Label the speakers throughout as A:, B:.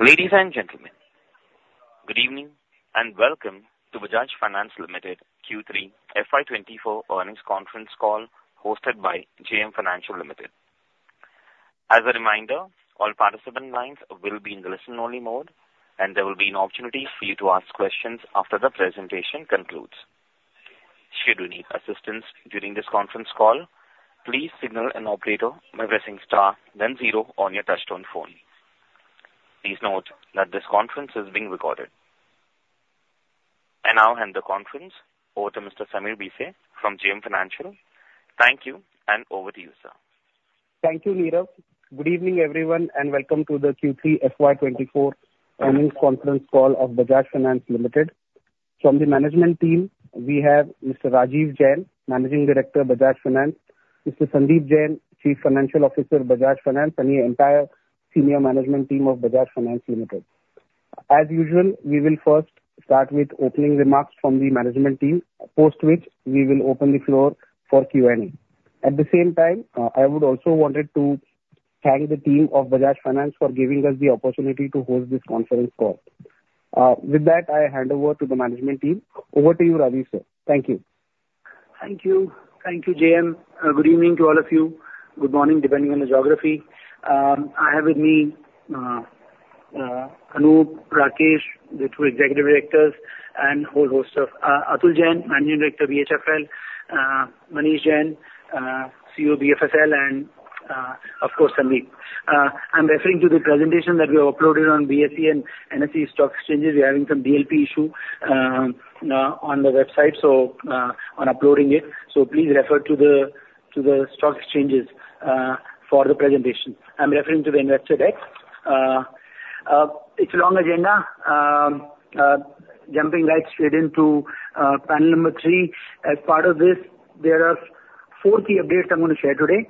A: Ladies and gentlemen, good evening, and welcome to Bajaj Finance Limited Q3 FY 2024 Earnings Conference Call, hosted by JM Financial Limited. As a reminder, all participant lines will be in the listen-only mode, and there will be an opportunity for you to ask questions after the presentation concludes. Should you need assistance during this conference call, please signal an operator by pressing star then zero on your touchtone phone. Please note that this conference is being recorded. I now hand the conference over to Mr. Sameer Bhise from JM Financial. Thank you, and over to you, sir.
B: Thank you, Nirav. Good evening, everyone, and welcome to the Q3 FY24 earnings conference call of Bajaj Finance Limited. From the management team, we have Mr. Rajeev Jain, Managing Director of Bajaj Finance; Mr. Sandeep Jain, Chief Financial Officer of Bajaj Finance; and the entire senior management team of Bajaj Finance Limited. As usual, we will first start with opening remarks from the management team, post which we will open the floor for Q&A. At the same time, I would also wanted to thank the team of Bajaj Finance for giving us the opportunity to host this conference call. With that, I hand over to the management team. Over to you, Rajeev, sir. Thank you.
C: Thank you. Thank you, JM. Good evening to all of you. Good morning, depending on the geography. I have with me, Anup, Rakesh, the two executive directors, and whole host of, Atul Jain, Managing Director, BHFL, Manish Jain, CEO, BHFL, and, of course, Sandeep. I'm referring to the presentation that we have uploaded on BSE and NSE stock exchanges. We're having some DLP issue on the website, so on uploading it, so please refer to the stock exchanges for the presentation. I'm referring to the investor deck. It's a long agenda. Jumping right straight into panel number three. As part of this, there are four key updates I'm gonna share today.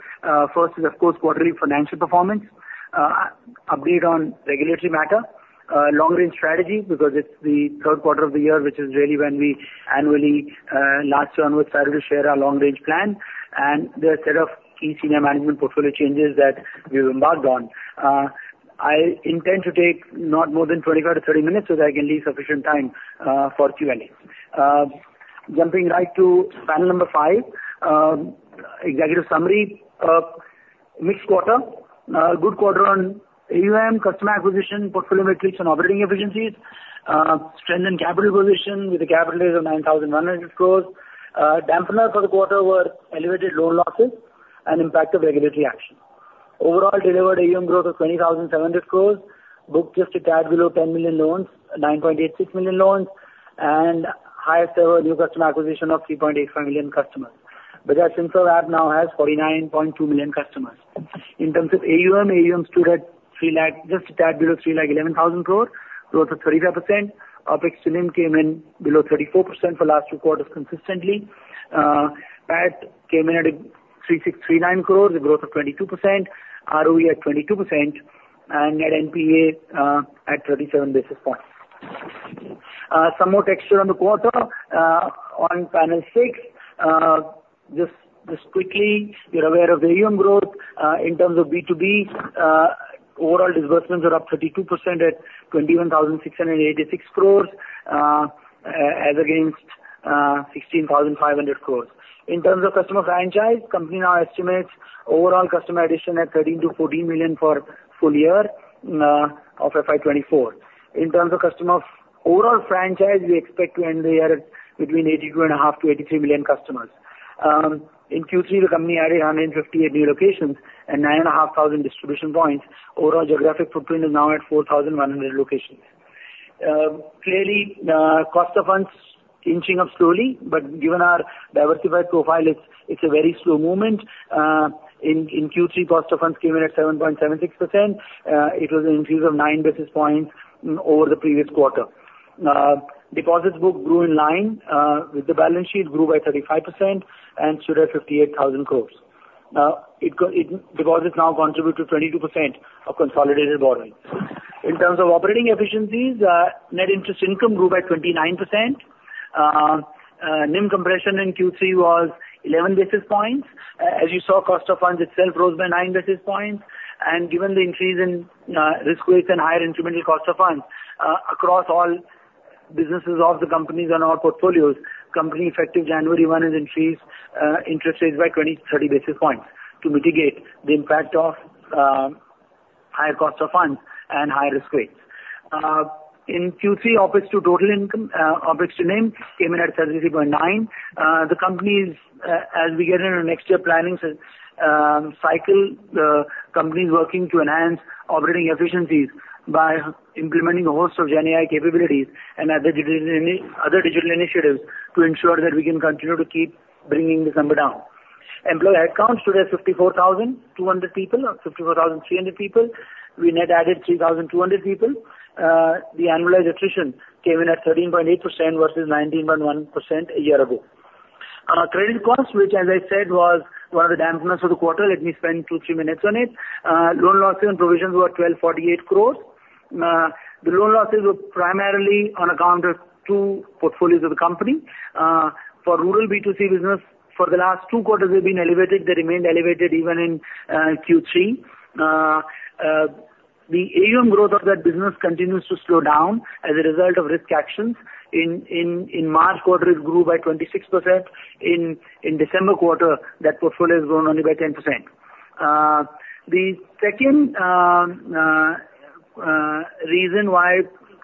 C: First is, of course, quarterly financial performance, an update on regulatory matter, long-range strategy, because it's the third quarter of the year, which is really when we annually, last year on, we started to share our long-range plan, and the set of key senior management portfolio changes that we've embarked on. I intend to take not more than 25-30 minutes so that I can leave sufficient time for Q&A. Jumping right to panel number 5, executive summary. Mixed quarter. Good quarter on AUM, customer acquisition, portfolio metrics and operating efficiencies. Strengthened capital position with a capital raise of 9,100 crore. Dampener for the quarter were elevated loan losses and impact of regulatory action. Overall delivered AUM growth of 20,700 crore, booked just a tad below 10 million loans, 9.86 million loans, and highest ever new customer acquisition of 3.85 million customers. Bajaj Finserv app now has 49.2 million customers. In terms of AUM, AUM stood at 300,000 crore, just a tad below 311,000 crore, growth of 35%. Operating came in below 34% for last two quarters consistently. PAT came in at 3,639 crore, a growth of 22%, ROE at 22% and net NPA at 37 basis points. Some more texture on the quarter, on panel six. Just quickly, you're aware of the AUM growth. In terms of B2B, overall disbursements are up 32% at 21,686 crore, as against 16,500 crore. In terms of customer franchise, company now estimates overall customer addition at 13-14 million for full year of FY 2024. In terms of customer overall franchise, we expect to end the year at 82.5-83 million customers. In Q3, the company added 158 new locations and 9,500 distribution points. Overall geographic footprint is now at 4,100 locations. Clearly, cost of funds inching up slowly, but given our diversified profile, it's a very slow movement. In Q3, cost of funds came in at 7.76%. It was an increase of 9 basis points over the previous quarter. Deposits book grew in line with the balance sheet, grew by 35% and stood at 58,000 crore. Deposits now contribute to 22% of consolidated borrowing. In terms of operating efficiencies, net interest income grew by 29%. NIM compression in Q3 was 11 basis points. As you saw, cost of funds itself rose by 9 basis points, and given the increase in risk weights and higher incremental cost of funds across all businesses of the companies and our portfolios, Company effective January 1 has increased interest rates by 20-30 basis points to mitigate the impact of higher cost of funds and higher risk weights. In Q3, OPEX to total income, operating came in at 33.9. The company's, as we get into next year planning cycle, the company's working to enhance operating efficiencies by implementing a host of GenAI capabilities and other digital initiatives to ensure that we can continue to keep bringing this number down. Employee count today, 54,200 people, 54,300 people. We net added 3,200 people. The annualized attrition came in at 13.8% versus 19.1% a year ago. Credit costs, which as I said, was one of the dampeners of the quarter, let me spend two-three minutes on it. Loan losses and provisions were 1,248 crore. The loan losses were primarily on account of two portfolios of the company. For rural B2C business, for the last two quarters, they've been elevated. They remained elevated even in Q3. The AUM growth of that business continues to slow down as a result of risk actions. In March quarter, it grew by 26%. In December quarter, that portfolio has grown only by 10%. The second reason why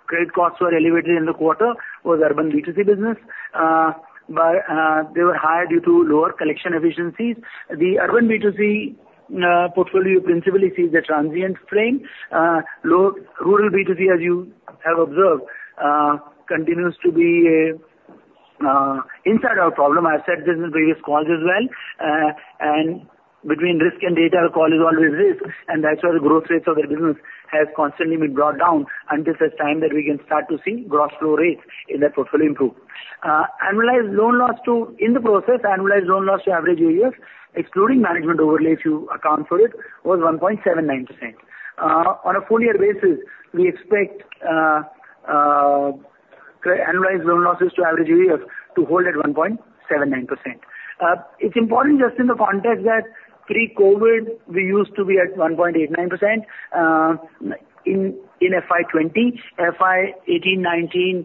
C: credit costs were elevated in the quarter was urban B2C business, but they were high due to lower collection efficiencies. The urban B2C portfolio principally sees a transition frame. Lower rural B2C, as you have observed, continues to be a inside-out problem. I've said this in previous calls as well, and between risk and data, call is always risk, and that's why the growth rates of the business has constantly been brought down until such time that we can start to see gross flow rates in that portfolio improve. Annualized loan loss to average AUM, excluding management overlays, if you account for it, was 1.79%. On a full year basis, we expect annualized loan losses to average AUM to hold at 1.79%. It's important just in the context that pre-COVID, we used to be at 1.89%, in FY 2020. FY 2018, 2019,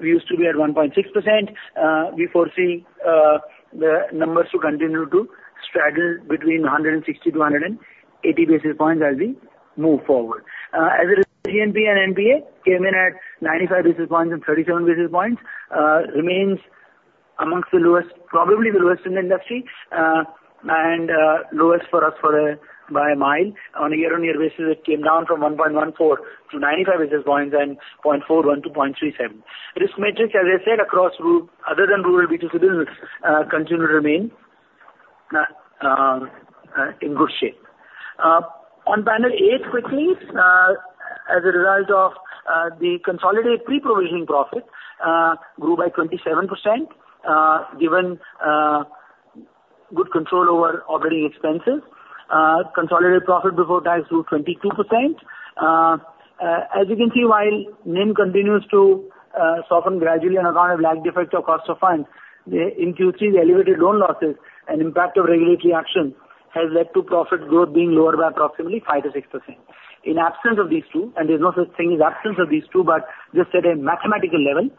C: we used to be at 1.6%. We foresee the numbers to continue to straddle between 160-180 basis points as we move forward. As a result, GNPA and NPA came in at 95 basis points and 37 basis points, remains amongst the lowest, probably the lowest in the industry, and lowest for us by a mile. On a year-on-year basis, it came down from 1.14 to 95 basis points, and 0.41 to 0.37. Risk matrix, as I said, across other than rural B2C business, continue to remain in good shape. On panel eight quickly, as a result of the consolidated pre-provisioning profit grew by 27%, given good control over operating expenses. Consolidated profit before tax grew 22%. As you can see, while NIM continues to soften gradually on account of lag effects or cost of funds, in Q3, the elevated loan losses and impact of regulatory action has led to profit growth being lower by approximately 5%-6%. In absence of these two, and there's no such thing as absence of these two, but just at a mathematical level,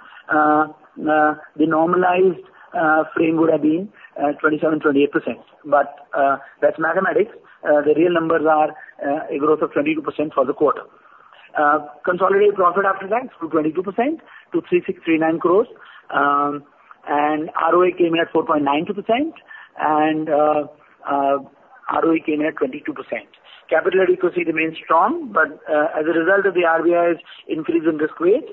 C: the normalized frame would have been 27-28%. But that's mathematics. The real numbers are a growth of 22% for the quarter. Consolidated profit after tax grew 22% to 3,639 crores, and ROE came in at 4.92%, and ROE came in at 22%. Capital adequacy remains strong, but as a result of the RBI's increase in risk weight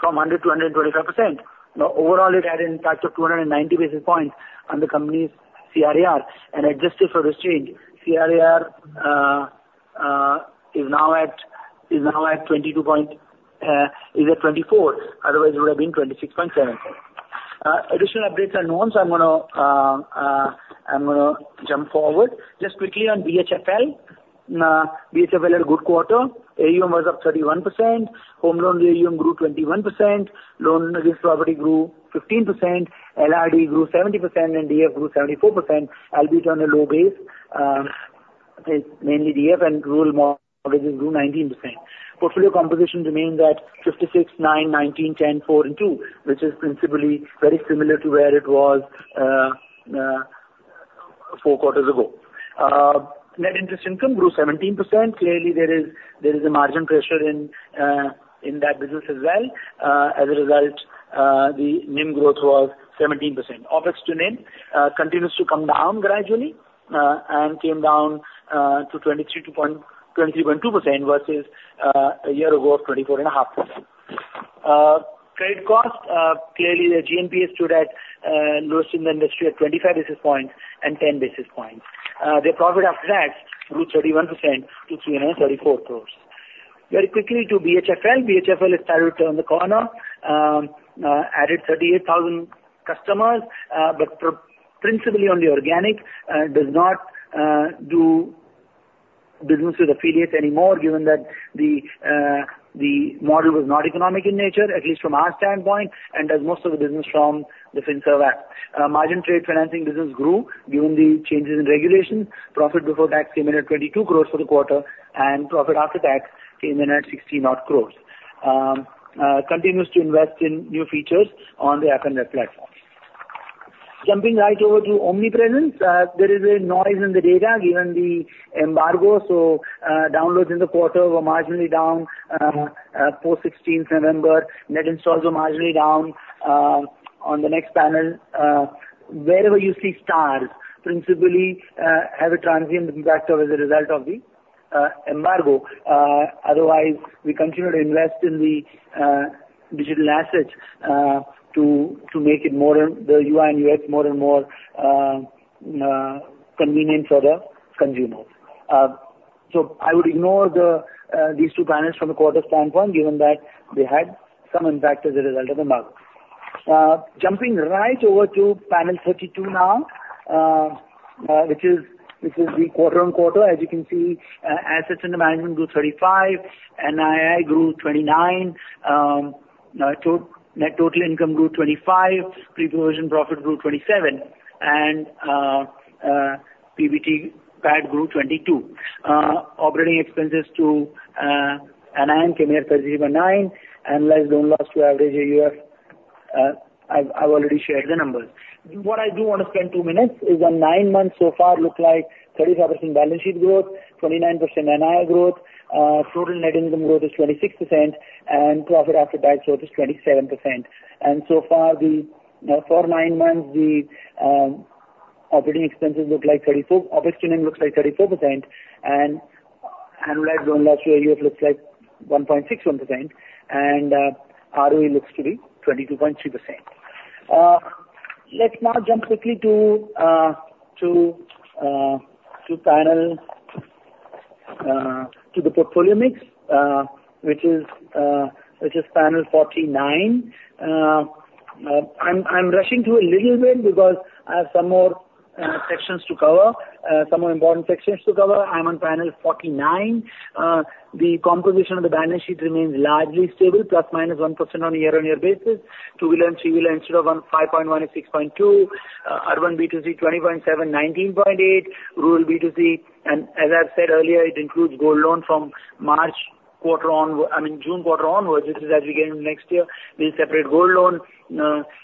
C: from 100 to 125%, the overall it had an impact of 290 basis points on the company's CRAR, and adjusted for this change, CRAR is now at, is now at 22 point, is at 24. Otherwise, it would have been 26.75. Additional updates are known, so I'm gonna, I'm gonna jump forward. Just quickly on BHFL. BHFL had a good quarter. AUM was up 31%. Home loan to AUM grew 21%. Loan against property grew 15%, LRD grew 70%, and DF grew 74%, albeit on a low base. Mainly DF and rural mortgages grew 19%. Portfolio composition remained at 56, 9, 19, 10, 4, and 2, which is principally very similar to where it was four quarters ago. Net interest income grew 17%. Clearly, there is a margin pressure in that business as well. As a result, the NIM growth was 17%. OPEX to NIM continues to come down gradually and came down to 23.2% versus a year ago of 24.5%. Credit cost clearly, the GNPA stood at lowest in the industry at 25 basis points and 10 basis points. The profit after tax grew 31% to 334 crore. Very quickly to BHFL. BHFL is tied around the corner, added 38,000 customers, but principally on the organic, does not do business with affiliates anymore, given that the the model was not economic in nature, at least from our standpoint, and does most of the business from the Finserv app. Margin trade financing business grew given the changes in regulation. Profit before tax came in at 22 crore for the quarter, and profit after tax came in at 16 odd crore. Continues to invest in new features on the app and net platform. Jumping right over to Omnipresence, there is a noise in the data given the embargo, so, downloads in the quarter were marginally down, post sixteenth November. Net installs were marginally down, on the next panel. Wherever you see stars, principally have a transient impact as a result of the embargo. Otherwise, we continue to invest in the digital assets to make it more the UI and UX, more and more convenient for the consumers. So I would ignore these two panels from a quarter standpoint, given that they had some impact as a result of the market. Jumping right over to panel 32 now, which is, this is the quarter-on-quarter. As you can see, assets under management grew 35, NII grew 29, net total income grew 25, pre-provision profit grew 27, and PBT PAT grew 22. Operating expenses to NII came here 39, annualized loan loss to average AUM, I've already shared the numbers. What I do want to spend two minutes, is on nine months so far look like 35% balance sheet growth, 29% NII growth, total net income growth is 26%, and profit after tax growth is 27%. And so far, the, you know, for nine months, the, operating expenses look like 34 OPEX to NIM looks like 34%, and annualized loan loss year to date looks like 1.61%, and, ROE looks to be 22.3%. Let's now jump quickly to, to, to panel, to the portfolio mix, which is, which is panel 49. I'm, I'm rushing through a little bit because I have some more, sections to cover, some more important sections to cover. I'm on panel 49. The composition of the balance sheet remains largely stable, ±1% on a year-on-year basis. Two-wheeler and three-wheeler instead of on 5.1 is 6.2. Urban B2C 20.7, 19.8. Rural B2C, and as I've said earlier, it includes gold loan from March quarter on- I mean, June quarter onwards, which is as we get into next year, we'll separate gold loan,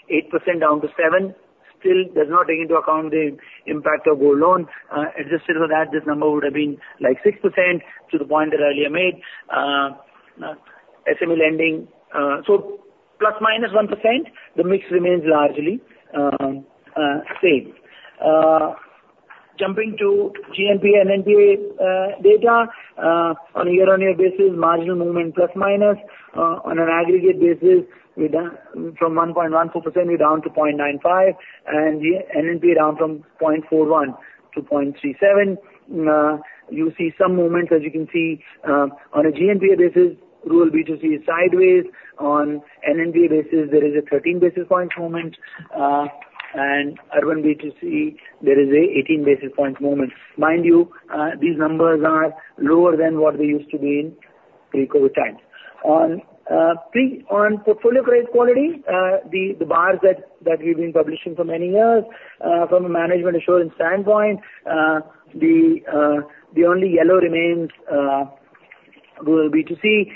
C: 8% down to 7%, still does not take into account the impact of gold loan. Adjusted for that, this number would have been, like, 6% to the point that I earlier made. SME lending, so ±1%, the mix remains largely, same. Jumping to GNPA and NPA, data, on a year-on-year basis, marginal movement plus minus. On an aggregate basis, we're down from 1.14%, we're down to 0.95%, and the NPA down from 0.41% to 0.37%. You see some movement, as you can see, on a GNPA basis, rural B2C is sideways. On NNPA basis, there is a 13 basis point movement. And urban B2C, there is an 18 basis point movement. Mind you, these numbers are lower than what they used to be in pre-COVID times. On portfolio credit quality, the bars that we've been publishing for many years, from a management assurance standpoint, the only yellow remains, rural B2C.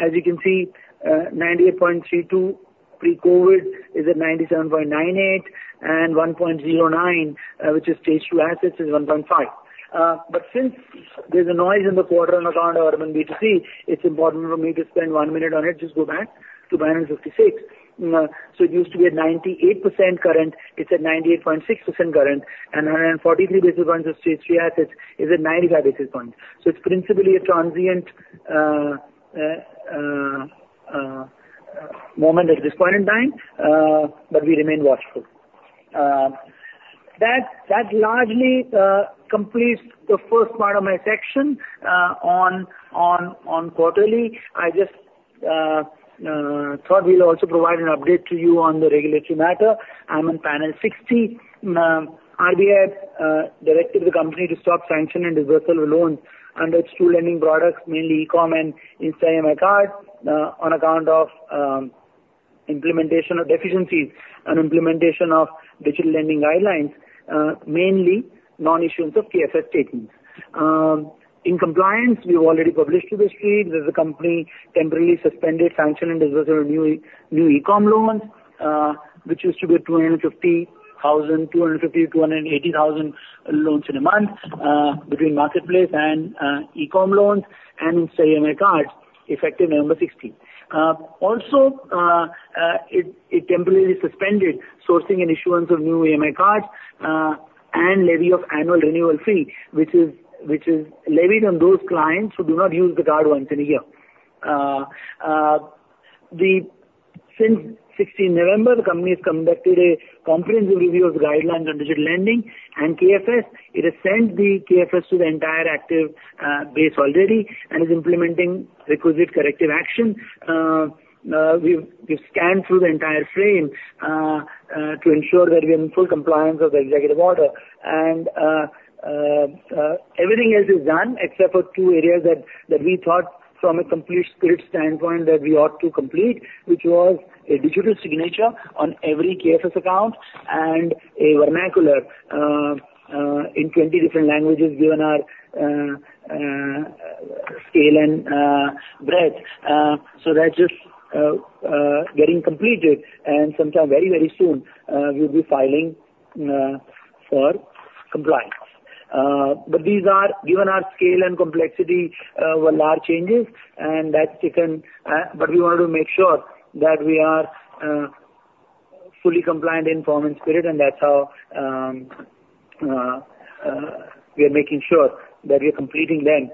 C: As you can see, 98.32 pre-COVID is at 97.98, and 1.09, which is stage two assets, is 1.5. But since there's a noise in the quarter on account of urban B2C, it's important for me to spend one minute on it. Just go back to panel 56. So it used to be at 98% current, it's at 98.6% current, and around 43 basis points of stage three assets is at 95 basis points. So it's principally a transient moment at this point in time, but we remain watchful. That largely completes the first part of my section on quarterly. I just thought we'll also provide an update to you on the regulatory matter. I'm on panel 60. RBI directed the company to stop sanction and dispersal of loans under its two lending products, mainly eCom and Insta EMI Card, on account of implementation of deficiencies and implementation of digital lending guidelines, mainly non-issuance of KFS statements. In compliance, we've already published to the street that the company temporarily suspended sanction and dispersal of new eCom loans, which used to be 250,000-280,000 loans in a month, between marketplace and eCom loans and Insta EMI cards, effective November sixteenth. Also, it temporarily suspended sourcing and issuance of new EMI cards, and levy of annual renewal fee, which is levied on those clients who do not use the card once in a year. Since sixteenth November, the company has conducted a comprehensive review of the guidelines on digital lending and KFS. It has sent the KFS to the entire active base already and is implementing requisite corrective action. We've scanned through the entire frame to ensure that we are in full compliance of the executive order. Everything else is done except for two areas that we thought from a complete spirit standpoint that we ought to complete, which was a digital signature on every KFS account and a vernacular in 20 different languages, given our scale and breadth. So that's just getting completed, and sometime very, very soon, we'll be filing for compliance. But these are, given our scale and complexity, were large changes and that's taken... But we wanted to make sure that we are fully compliant in form and spirit, and that's how we are making sure that we are completing them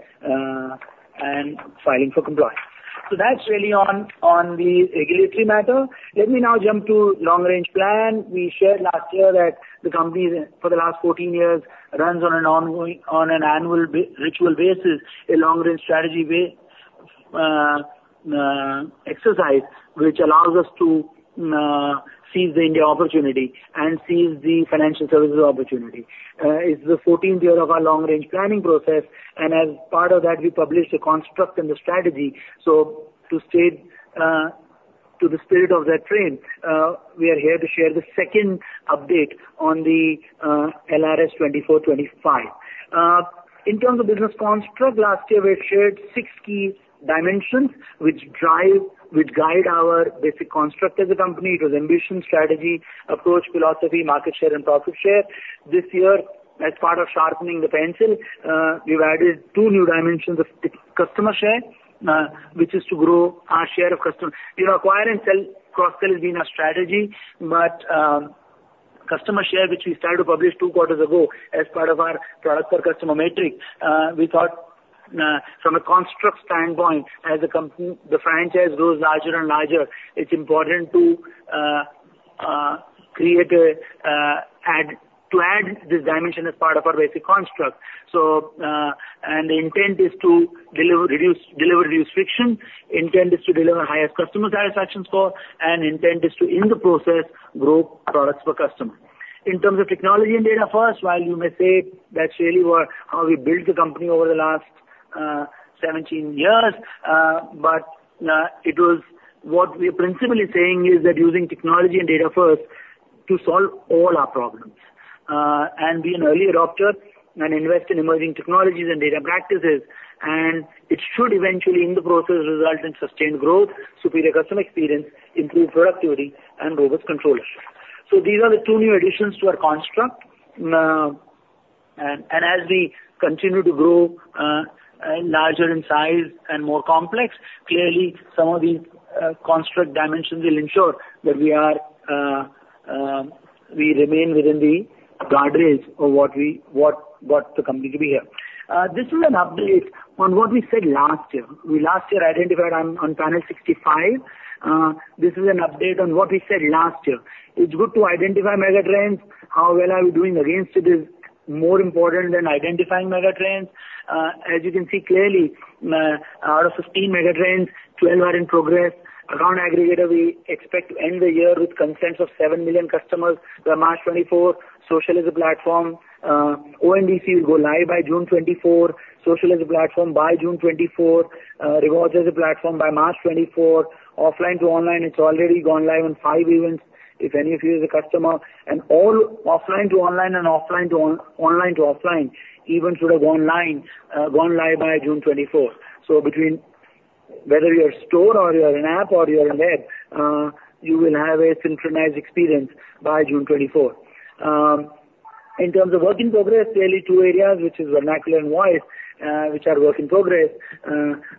C: and filing for compliance. So that's really on the regulatory matter. Let me now jump to long-range plan. We shared last year that the company for the last 14 years runs on an ongoing on an annual basis a long-range strategy exercise, which allows us to seize the India opportunity and seize the financial services opportunity. It's the 14th year of our long-range planning process, and as part of that, we published a construct and a strategy. So to stay to the spirit of that trend, we are here to share the second update on the LRS 24, 25. In terms of business construct, last year we had shared six key dimensions, which drive, which guide our basic construct as a company. It was ambition, strategy, approach, philosophy, market share, and profit share. This year, as part of sharpening the pencil, we've added two new dimensions of customer share, which is to grow our share of customer. You know, acquire and cross-sell has been our strategy, but, customer share, which we started to publish two quarters ago as part of our product per customer metric, we thought, from a construct standpoint, the franchise grows larger and larger, it's important to add this dimension as part of our basic construct. So, the intent is to deliver, reduce friction. Intent is to deliver highest customer satisfaction score, and intent is to, in the process, grow products per customer. In terms of technology and data first, while you may say that's really what, how we built the company over the last 17 years, but what we are principally saying is that using technology and data first to solve all our problems, and be an early adopter and invest in emerging technologies and data practices, and it should eventually, in the process, result in sustained growth, superior customer experience, improved productivity, and robust control. So these are the two new additions to our construct. And as we continue to grow larger in size and more complex, clearly, some of these construct dimensions will ensure that we are we remain within the guardrails of what we what the company to be here. This is an update on what we said last year. We last year identified on panel 65. This is an update on what we said last year. It's good to identify mega trends. How well are we doing against it is more important than identifying mega trends. As you can see clearly, out of 15 mega trends, 12 are in progress. Around aggregator, we expect to end the year with consent of 7 million customers by March 2024. Social as a platform, ONDC will go live by June 2024, social as a platform by June 2024, rewards as a platform by March 2024. Offline to online, it's already gone live on five events, if any of you is a customer. And all offline to online and offline to online to offline, even should have gone live by June 2024. So between whether you're a store or you're an app or you're on the web, you will have a synchronized experience by June 2024. In terms of work in progress, clearly two areas, which is vernacular and voice, which are work in progress.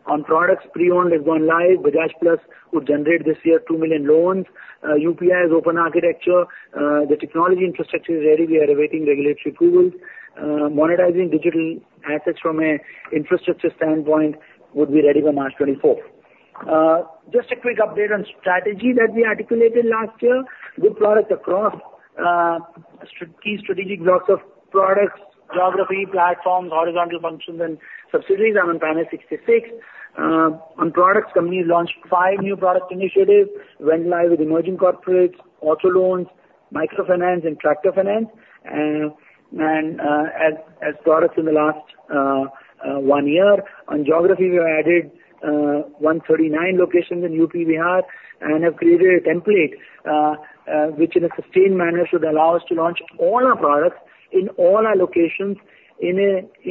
C: On products, pre-owned has gone live. Bajaj Plus would generate this year 2 million loans. UPI is open architecture. The technology infrastructure is ready. We are awaiting regulatory approvals. Monetizing digital assets from an infrastructure standpoint would be ready by March 24. Just a quick update on strategy that we articulated last year. Good products across key strategic blocks of products, geography, platforms, horizontal functions, and subsidiaries are on panel 66. On products, companies launched five new product initiatives, went live with emerging corporates, auto loans, microfinance and tractor finance, and as products in the last one year. On geography, we have added 139 locations in UP, BR and have created a template, which in a sustained manner should allow us to launch all our products in all our locations in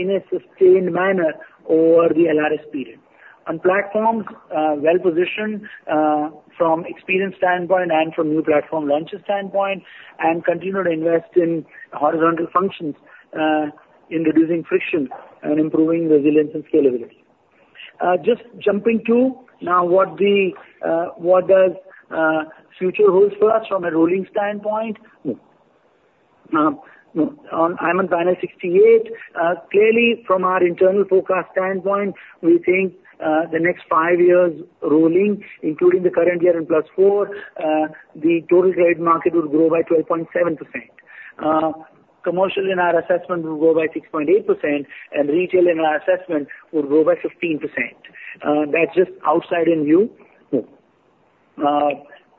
C: a sustained manner over the LRS period. On platforms, well-positioned from experience standpoint and from new platform launches standpoint and continue to invest in horizontal functions in reducing friction and improving resilience and scalability. Just jumping to now, what the future holds for us from a rolling standpoint. I'm on panel 68. Clearly, from our internal forecast standpoint, we think the next five years rolling, including the current year and +4, the total credit market will grow by 12.7%. Commercial in our assessment will grow by 6.8%, and retail in our assessment will grow by 15%. That's just outside-in view.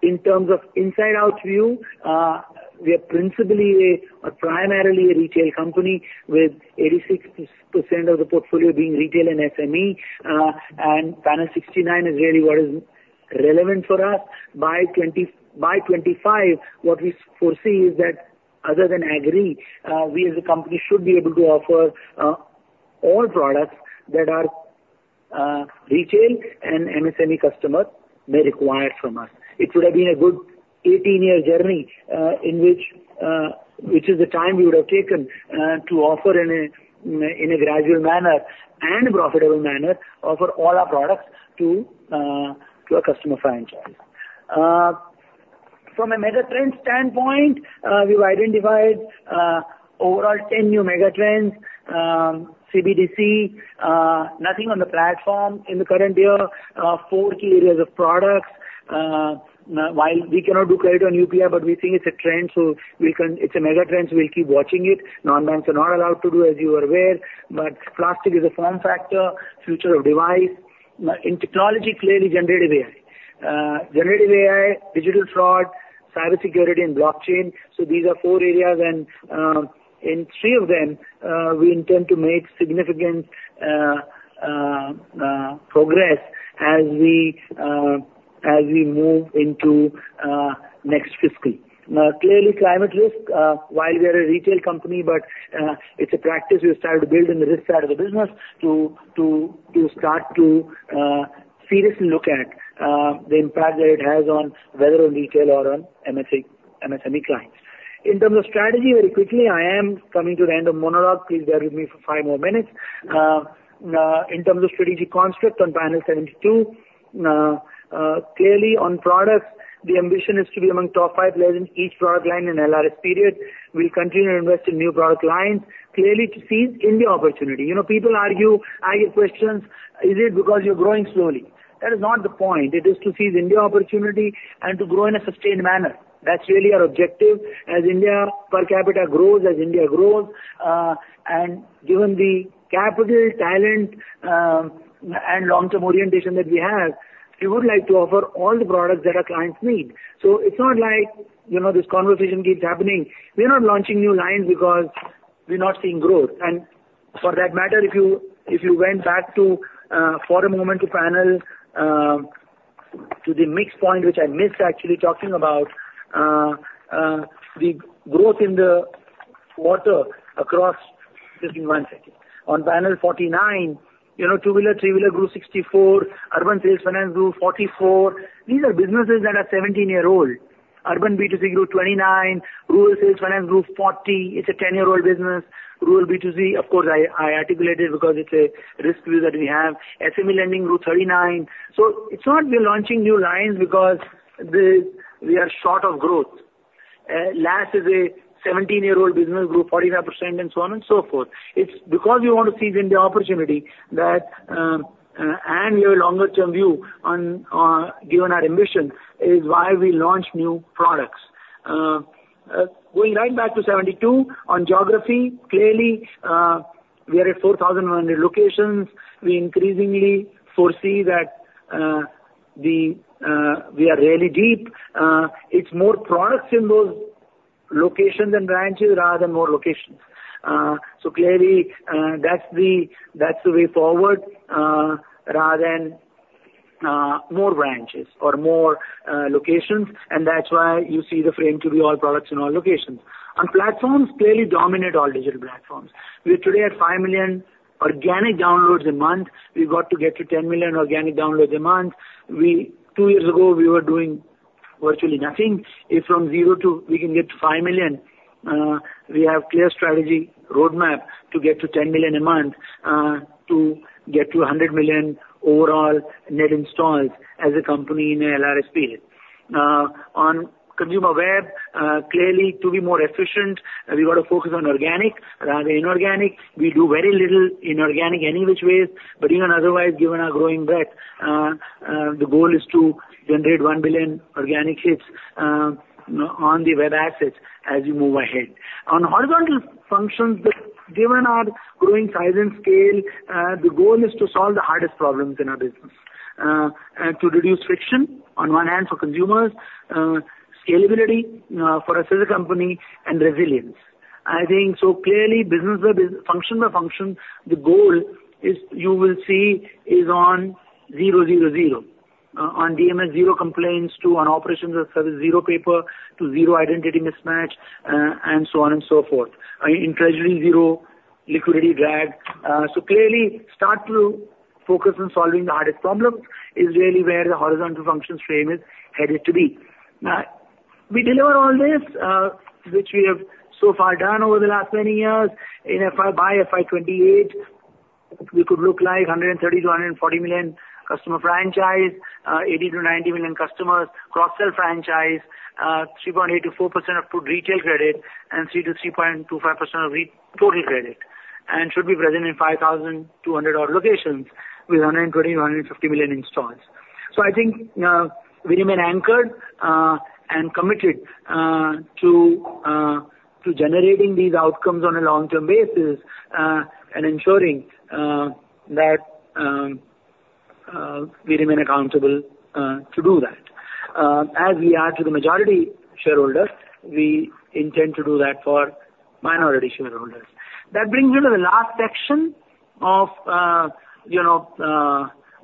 C: In terms of inside-out view, we are principally a, primarily a retail company with 86% of the portfolio being retail and SME, and panel 69 is really what is relevant for us. By 2025, what we foresee is that other than agri, we as a company should be able to offer all products that our retail and MSME customers may require from us. It would have been a good 18-year journey, in which, which is the time we would have taken to offer in a, in a gradual manner and profitable manner, offer all our products to our customer franchise. From a mega trend standpoint, we've identified overall, 10 new mega trends, CBDC, nothing on the platform in the current year, four key areas of products.... Now while we cannot do credit on UPI, but we think it's a trend, so it's a mega trend, so we'll keep watching it. Non-banks are not allowed to do, as you are aware, but plastic is a form factor, future of device. Now, in technology, clearly generative AI. Generative AI, digital fraud, cybersecurity, and blockchain. So these are four areas and, in three of them, we intend to make significant progress as we move into next fiscal. Now, clearly, climate risk, while we are a retail company, but it's a practice we've started to build in the risk side of the business to start to seriously look at the impact that it has on, whether on retail or on MFI-MSME clients. In terms of strategy, very quickly, I am coming to the end of monologue. Please bear with me for five more minutes. In terms of strategic construct on panel 72, clearly on products, the ambition is to be among top five players in each product line in LRS period. We'll continue to invest in new product lines, clearly to seize India opportunity. You know, people argue, I get questions: "Is it because you're growing slowly?" That is not the point. It is to seize India opportunity and to grow in a sustained manner. That's really our objective. As India per capita grows, as India grows, and given the capital, talent, and long-term orientation that we have, we would like to offer all the products that our clients need. So it's not like, you know, this conversation keeps happening. We're not launching new lines because we're not seeing growth. And for that matter, if you, if you went back to, for a moment to panel, to the mix point, which I missed actually talking about, the growth in the quarter across just in one second. On panel 49, you know, two-wheeler, three-wheeler grew 64, urban sales finance grew 44. These are businesses that are 17-year-old. Urban B2C grew 29, rural sales finance grew 40, it's a 10-year-old business. Rural B2C, of course, I articulated because it's a risk view that we have. SME lending grew 39. So it's not we're launching new lines because we are short of growth. Last is a 17-year-old business, grew 49%, and so on and so forth. It's because we want to seize India opportunity that, and your longer term view on, given our ambition, is why we launch new products. Going right back to 72, on geography, clearly, we are at 4,100 locations. We increasingly foresee that, we are really deep. It's more products in those locations and branches rather than more locations. So clearly, that's the way forward, rather than more branches or more locations, and that's why you see the frame to be all products in all locations. On platforms, clearly dominate all digital platforms. We're today at 5 million organic downloads a month. We've got to get to 10 million organic downloads a month. Two years ago, we were doing virtually nothing. If from zero to we can get to 5 million, we have clear strategy roadmap to get to 10 million a month, to get to 100 million overall net installs as a company in a LRS period. On consumer web, clearly, to be more efficient, we've got to focus on organic rather than inorganic. We do very little inorganic any which ways, but even otherwise, given our growing breadth, the goal is to generate 1 billion organic hits on the web assets as we move ahead. On horizontal functions, given our growing size and scale, the goal is to solve the hardest problems in our business. To reduce friction on one hand for consumers, scalability, for us as a company, and resilience. I think so clearly business by function by function, the goal is, you will see, is on zero, zero, zero. On DMS, zero complaints to on operations or service, zero paper, to zero identity mismatch, and so on and so forth. In treasury, zero liquidity drag. So clearly start to focus on solving the hardest problems is really where the horizontal functions frame is headed to be. Now, we deliver all this, which we have so far done over the last many years. In FY by FY 2028, we could look like 130-140 million customer franchise, 80-90 million customers, cross-sell franchise, 3.8%-4% of total retail credit, and 3%-3.25% of retail total credit, and should be present in 5,200 odd locations with 130-150 million installs. So I think, we remain anchored, and committed, to generating these outcomes on a long-term basis, and ensuring, that, we remain accountable, to do that. As we are to the majority shareholders, we intend to do that for minority shareholders. That brings me to the last section of, you know,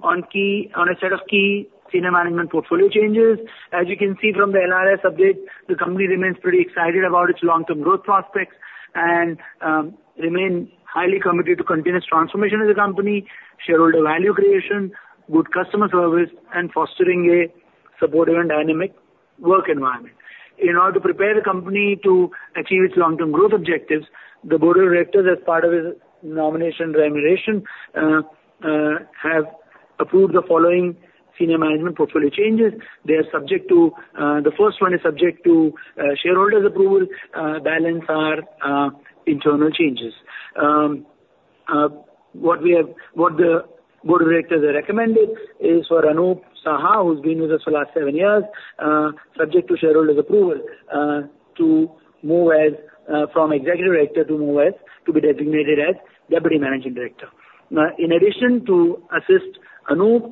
C: on a set of key senior management portfolio changes. As you can see from the LRS update, the company remains pretty excited about its long-term growth prospects and remain highly committed to continuous transformation of the company, shareholder value creation, good customer service, and fostering a supportive and dynamic work environment. In order to prepare the company to achieve its long-term growth objectives, the board of directors, as part of its nomination and remuneration, have approved the following senior management portfolio changes. They are subject to, the first one is subject to, shareholders' approval, balance are, internal changes. What we have, what the board of directors have recommended is for Anup Saha, who's been with us for the last seven years, subject to shareholders' approval, to move as, from executive director to move as, to be designated as deputy managing director. Now, in addition to assist Anup,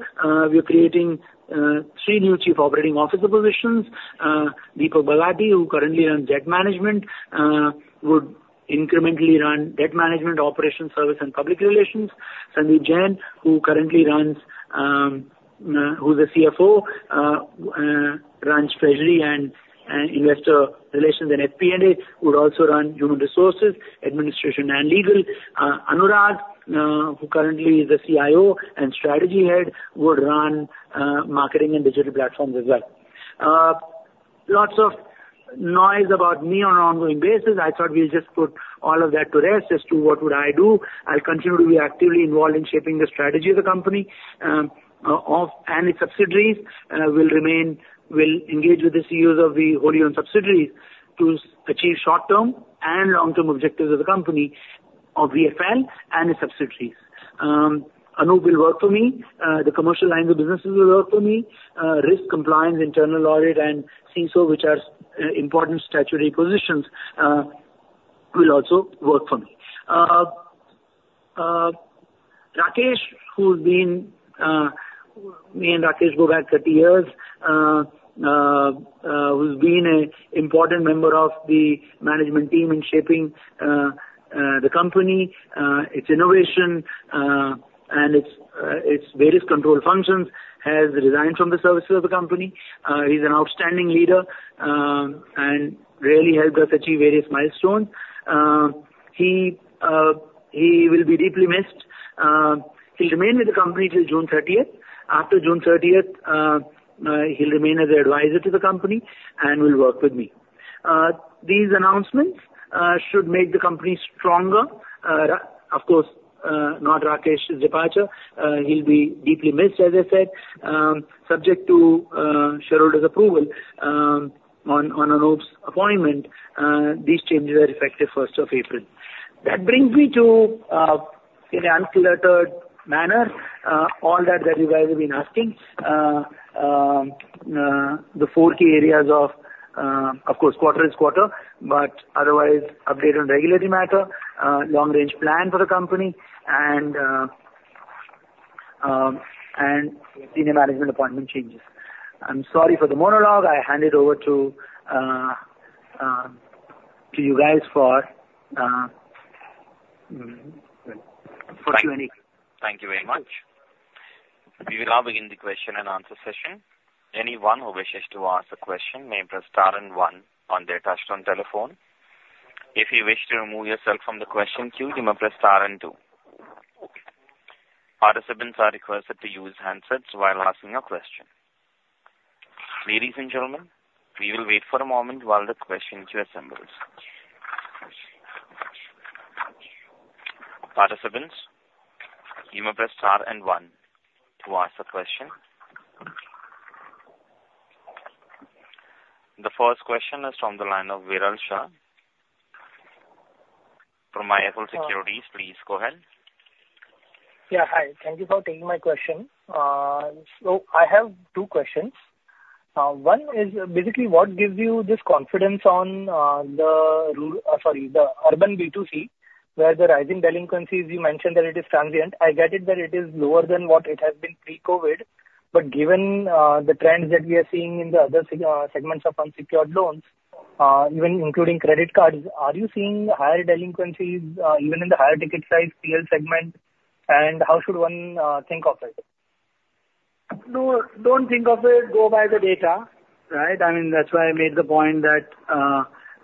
C: we are creating three new chief operating officer positions. Deepak Bagati, who currently runs debt management, would incrementally run debt management operations, service, and public relations. Sandeep Jain, who currently runs, who's a CFO, runs treasury and and investor relations and FP&A, would also run human resources, administration, and legal. Anurag, who currently is the CIO and strategy head, would run marketing and digital platforms as well. Lots of noise about me on an ongoing basis. I thought we'll just put all of that to rest as to what would I do. I'll continue to be actively involved in shaping the strategy of the company, of and its subsidiaries, and I will remain, will engage with the CEOs of the operating subsidiaries to achieve short-term and long-term objectives of the company, of BFL and its subsidiaries. Anup will work for me. The commercial lines of businesses will work for me. Risk, compliance, internal audit, and CISO, which are important statutory positions, will also work for me. Rakesh, me and Rakesh go back 30 years, who's been an important member of the management team in shaping the company, its innovation, and its various control functions, has resigned from the services of the company. He's an outstanding leader, and really helped us achieve various milestones. He will be deeply missed. He'll remain with the company till June thirtieth. After June thirtieth, he'll remain as an advisor to the company and will work with me. These announcements should make the company stronger. Of course, not Rakesh's departure. He'll be deeply missed, as I said. Subject to shareholders' approval on Anup's appointment, these changes are effective first of April. That brings me to, in an uncluttered manner, all that you guys have been asking. The four key areas of course, quarter is quarter, but otherwise update on regulatory matter, long-range plan for the company and senior management appointment changes. I'm sorry for the monologue. I hand it over to you guys for Q&A.
A: Thank you very much. We will now begin the question and answer session. Anyone who wishes to ask a question may press star and one on their touchtone telephone. If you wish to remove yourself from the question queue, you may press star and two. Participants are requested to use handsets while asking a question. Ladies and gentlemen, we will wait for a moment while the question queue assembles. Participants, you may press star and one to ask a question. The first question is from the line of Viral Shah from IIFL Securities. Please go ahead.
D: Yeah. Hi. Thank you for taking my question. So I have two questions. One is, basically, what gives you this confidence on the urban B2C, where the rising delinquencies, you mentioned that it is transient. I get it, that it is lower than what it has been pre-COVID, but given the trends that we are seeing in the other segments of unsecured loans, even including credit cards, are you seeing higher delinquencies even in the higher ticket size TL segment? And how should one think of it?
C: No, don't think of it. Go by the data, right? I mean, that's why I made the point that,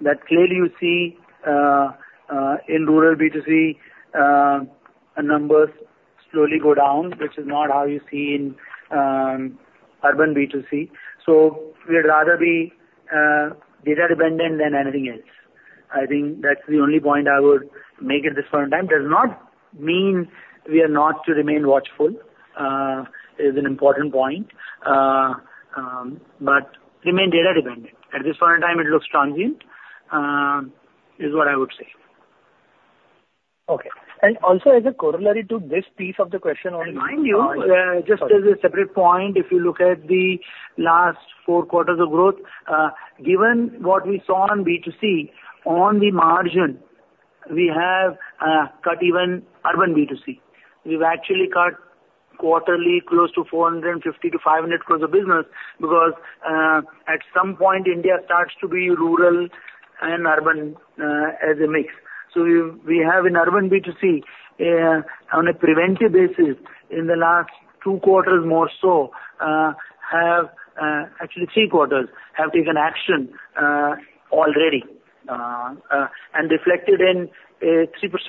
C: that clearly you see, in rural B2C, our numbers slowly go down, which is not how you see in, urban B2C. So we'd rather be, data dependent than anything else. I think that's the only point I would make at this point in time. Does not mean we are not to remain watchful, is an important point. But remain data dependent. At this point in time, it looks transient, is what I would say.
D: Okay. And also, as a corollary to this piece of the question only-
C: Mind you,
D: Sorry.
C: Just as a separate point, if you look at the last four quarters of growth, given what we saw on B2C, on the margin, we have cut even urban B2C. We've actually cut quarterly close to 450-500 crore of business because at some point, India starts to be rural and urban as a mix. So we have in urban B2C on a preventive basis in the last two quarters, more so, actually three quarters, have taken action already and reflected in a 3%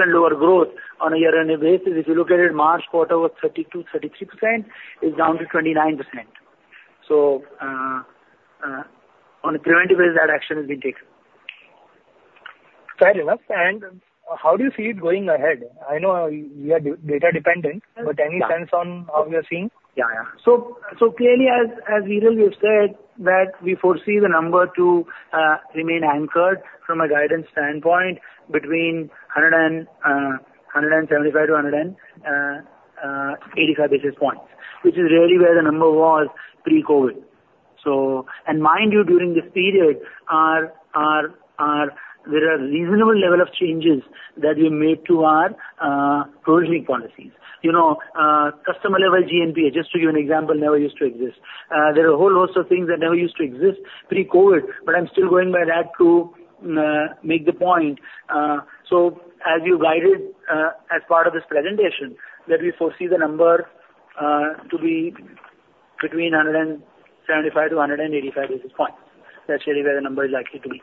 C: lower growth on a year-on-year basis. If you look at it, March quarter was 32%-33%, is down to 29%. So on a preventive basis, that action has been taken.
D: Fair enough. And how do you see it going ahead? I know we are data dependent-
C: Yeah.
D: But any sense on how we are seeing?
C: Yeah. Yeah. So clearly as Viral, you said that we foresee the number to remain anchored from a guidance standpoint between 175-185 basis points, which is really where the number was pre-COVID. So, and mind you, during this period, there are reasonable level of changes that we made to our provisioning policies. You know, customer-level GNP, just to give you an example, never used to exist. There are a whole host of things that never used to exist pre-COVID, but I'm still going by that to make the point. So as we guided, as part of this presentation, that we foresee the number to be between 175-185 basis points. That's really where the number is likely to be.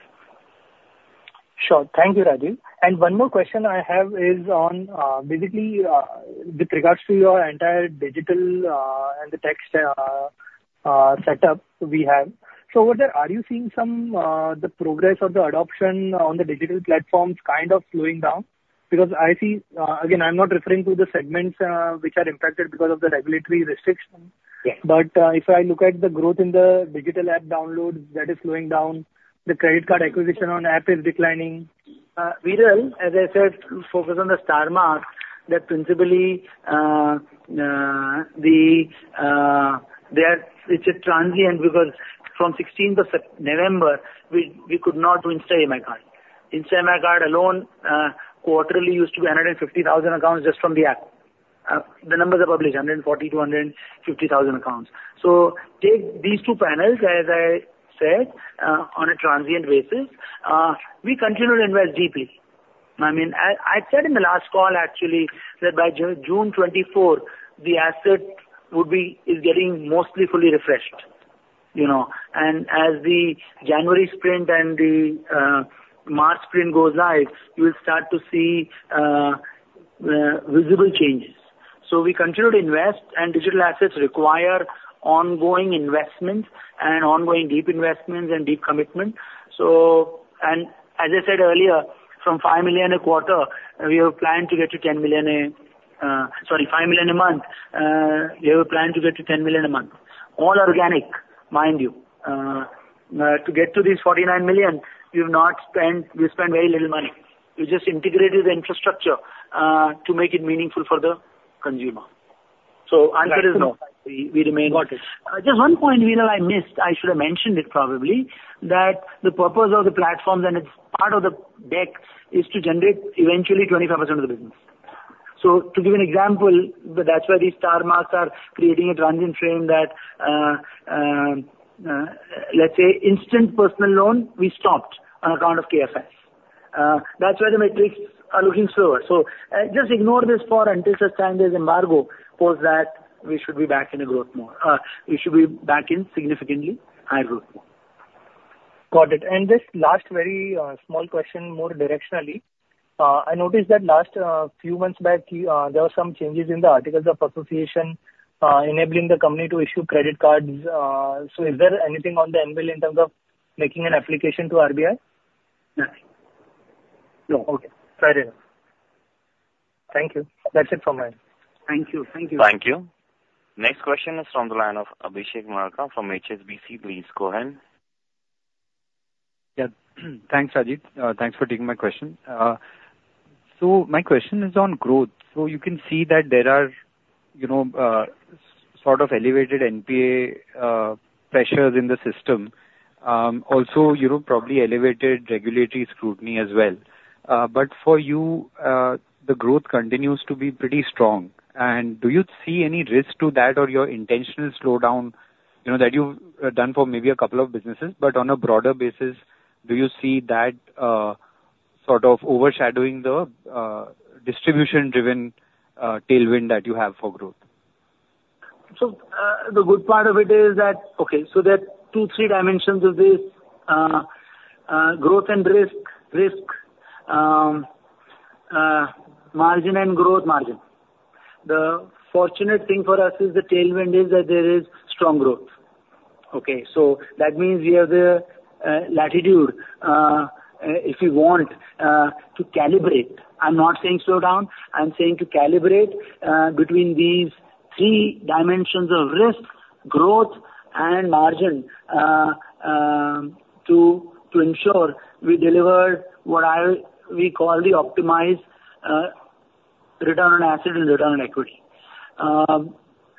D: Sure. Thank you, Rajeev. And one more question I have is on, basically, with regards to your entire digital, and the tech, setup we have. So over there, are you seeing some, the progress of the adoption on the digital platforms kind of slowing down? Because I see, again, I'm not referring to the segments, which are impacted because of the regulatory restrictions.
C: Yes.
D: But, if I look at the growth in the digital app downloads, that is slowing down. The credit card acquisition on app is declining.
C: Viral, as I said, focus on the star marks, that principally, it's a transient, because from the sixteenth of November, we could not do Insta EMI Card. Insta EMI Card alone, quarterly used to be 150,000 accounts just from the app. The numbers are published, 140,000 to 150,000 accounts. So take these two panels, as I said, on a transient basis. We continue to invest deeply. I mean, I said in the last call actually, that by June 2024, the asset would be, is getting mostly fully refreshed, you know? And as the January sprint and the March sprint goes live, you will start to see visible changes. So we continue to invest, and digital assets require ongoing investments and ongoing deep investments and deep commitment. So, and as I said earlier, from 5 million a quarter, we have planned to get to 10 million a, sorry, 5 million a month, we have a plan to get to 10 million a month. All organic, mind you. To get to this 49 million, we've not spent... We spent very little money. We just integrated the infrastructure, to make it meaningful for the consumer. So answer is no, we, we remain-
D: Got it.
C: Just one point, Viral, I missed, I should have mentioned it probably, that the purpose of the platforms and it's part of the deck, is to generate eventually 25% of the business. So to give an example, that's why these star marks are creating a transient frame that, let's say, instant personal loan, we stopped on account of KFS. That's why the metrics are looking slower. So, just ignore this for until such time there's an embargo, post that, we should be back in a growth mode. We should be back in significantly high growth mode.
D: Got it. And just last very small question, more directionally. I noticed that last few months back there were some changes in the articles of association enabling the company to issue credit cards. So is there anything on the anvil in terms of making an application to RBI?
C: No. No.
D: Okay. Fair enough. Thank you. That's it from my end.
C: Thank you. Thank you.
A: Thank you. Next question is from the line of Abhishek Murarka from HSBC. Please go ahead.
E: Yeah. Thanks, Rajeev. Thanks for taking my question. So my question is on growth. So you can see that there are, you know, sort of elevated NPA pressures in the system. Also, you know, probably elevated regulatory scrutiny as well. But for you, the growth continues to be pretty strong. And do you see any risk to that or your intentional slowdown, you know, that you've done for maybe a couple of businesses? But on a broader basis, do you see that sort of overshadowing the distribution-driven tailwind that you have for growth?
C: So, the good part of it is that... Okay, so there are two, three dimensions of this. Growth and risk, margin and growth margin. The fortunate thing for us is the tailwind is that there is strong growth. Okay, so that means we have the latitude, if you want, to calibrate. I'm not saying slow down, I'm saying to calibrate between these three dimensions of risk, growth and margin, to ensure we deliver what we call the optimized return on asset and return on equity.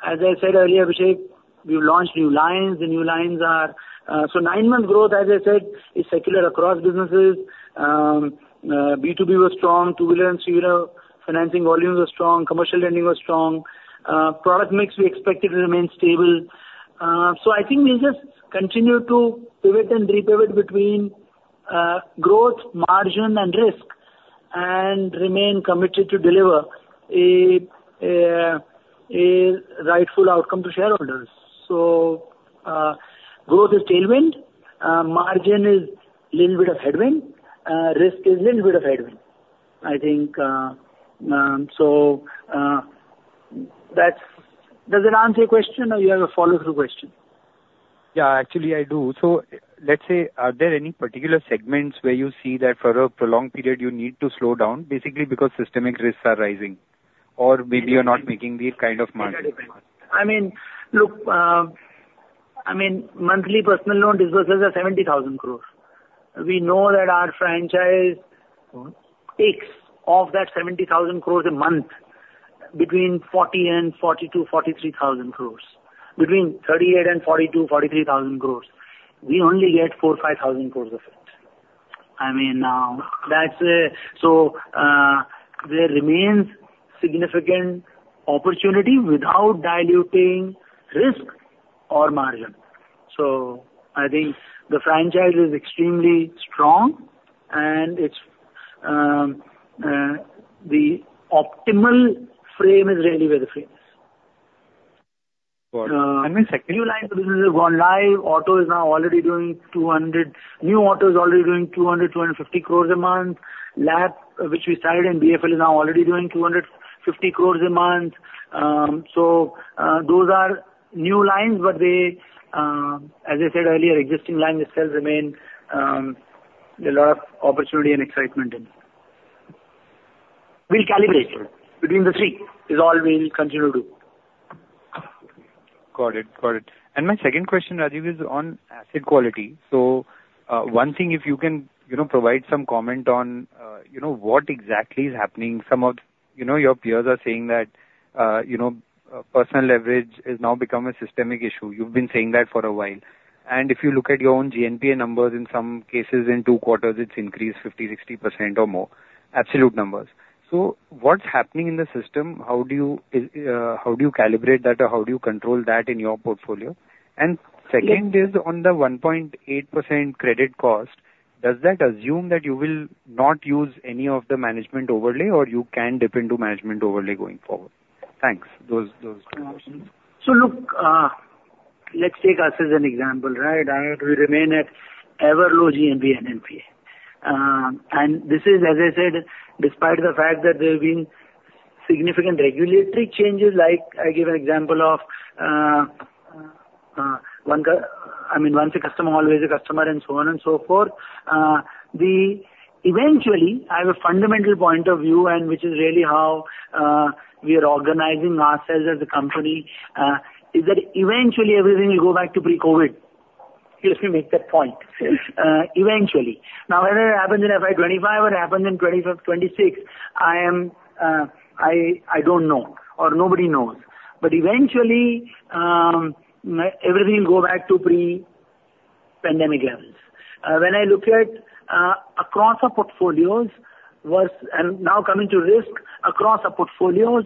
C: As I said earlier, Abhishek, we've launched new lines. The new lines are... So nine-month growth, as I said, is secular across businesses. B2B was strong, two-wheeler and cruiser financing volumes were strong, commercial lending was strong, product mix we expect it to remain stable. So I think we'll just continue to pivot and re-pivot between growth, margin, and risk, and remain committed to deliver a rightful outcome to shareholders. So growth is tailwind, margin is little bit of headwind, risk is little bit of headwind. I think that's... Does it answer your question, or you have a follow-through question?
E: Yeah, actually, I do. So let's say, are there any particular segments where you see that for a prolonged period, you need to slow down, basically because systemic risks are rising, or maybe you're not making the kind of margin?
C: I mean, look, I mean, monthly personal loan disbursements are 70,000 crore. We know that our franchise takes of that 70,000 crore a month between 40 and 42-43 thousand crores. Between 38 and 42-43 thousand crores, we only get 4,000-5,000 crore of it. I mean, that's, So, there remains significant opportunity without diluting risk or margin. So I think the franchise is extremely strong and it's, the optimal frame is really very famous.
E: Got it. And my second-
C: New line of business have gone live. Auto is now already doing 200 crore, new auto is already doing 200-250 crore a month. LAP, which we started in BFL, is now already doing 250 crore a month. So, those are new lines, but they, as I said earlier, existing lines themselves remain, a lot of opportunity and excitement in. We'll calibrate between the three, is all we'll continue to do.
E: Got it. Got it. And my second question, Rajeev, is on asset quality. So, one thing if you can, you know, provide some comment on, you know, what exactly is happening. Some of, you know, your peers are saying that, you know, personal leverage has now become a systemic issue. You've been saying that for a while. And if you look at your own GNPA numbers, in some cases, in two quarters, it's increased 50, 60% or more, absolute numbers. So what's happening in the system? How do you, how do you calibrate that, or how do you control that in your portfolio? And second is on the 1.8% credit cost. Does that assume that you will not use any of the management overlay, or you can dip into management overlay going forward? Thanks. Those, those two questions.
C: So look, let's take us as an example, right? We remain at ever low GNPA and NPA. And this is, as I said, despite the fact that there have been significant regulatory changes, like I give an example of, I mean, once a customer, always a customer, and so on and so forth. Eventually, I have a fundamental point of view, and which is really how we are organizing ourselves as a company, is that eventually everything will go back to pre-COVID. Let me make that point, eventually. Now, whether it happens in FY 25 or it happens in 25, 26, I am, I, I don't know, or nobody knows. But eventually, everything will go back to pre-pandemic levels. When I look at across our portfolios worse... And now coming to risk, across our portfolios,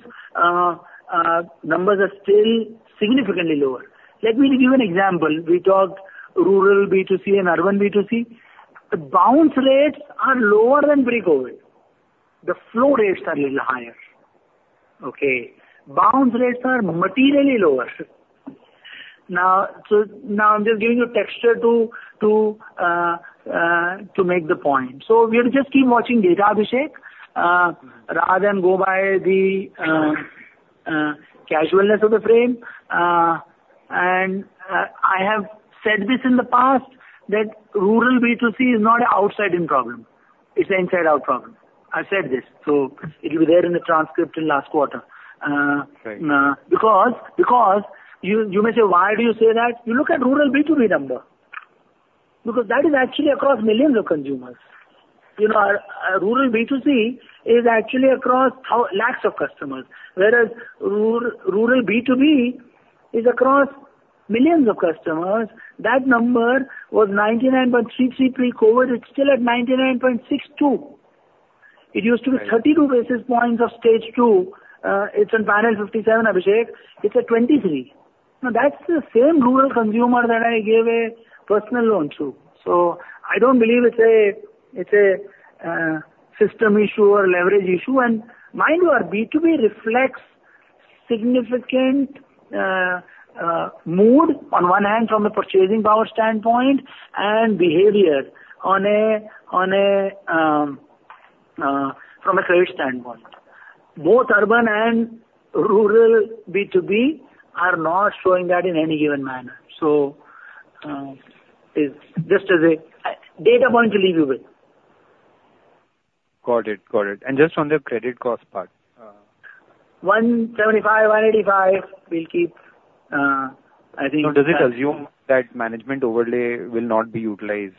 C: numbers are still significantly lower. Let me give you an example. We talked rural B2C and urban B2C. The bounce rates are lower than pre-COVID. The flow rates are a little higher. Okay? Bounce rates are materially lower. Now, so now I'm just giving you a texture to make the point. So we'll just keep watching data, Abhishek, rather than go by the casualness of the frame. And, I have said this in the past, that rural B2C is not an outside-in problem, it's an inside-out problem. I've said this, so it'll be there in the transcript in last quarter.
E: Right.
C: Because, because you, you may say, "Why do you say that?" You look at rural B2B number, because that is actually across millions of consumers. You know, rural B2C is actually across lakhs of customers, whereas rural, rural B2B is across millions of customers. That number was 99.33 pre-COVID. It's still at 99.62.
E: Right.
C: It used to be 32 basis points of stage two, it's in final 57, Abhishek, it's at 23. Now, that's the same rural consumer that I gave a personal loan to, so I don't believe it's a system issue or leverage issue. And mind you, our B2B reflects significant mood, on one hand from a purchasing power standpoint, and behavior from a credit standpoint. Both urban and rural B2B are not showing that in any given manner. So, it's just as a data point to leave you with.
E: Got it. Got it. Just on the credit cost part,
C: 175, 185, we'll keep, I think-
E: Now, does it assume that management overlay will not be utilized?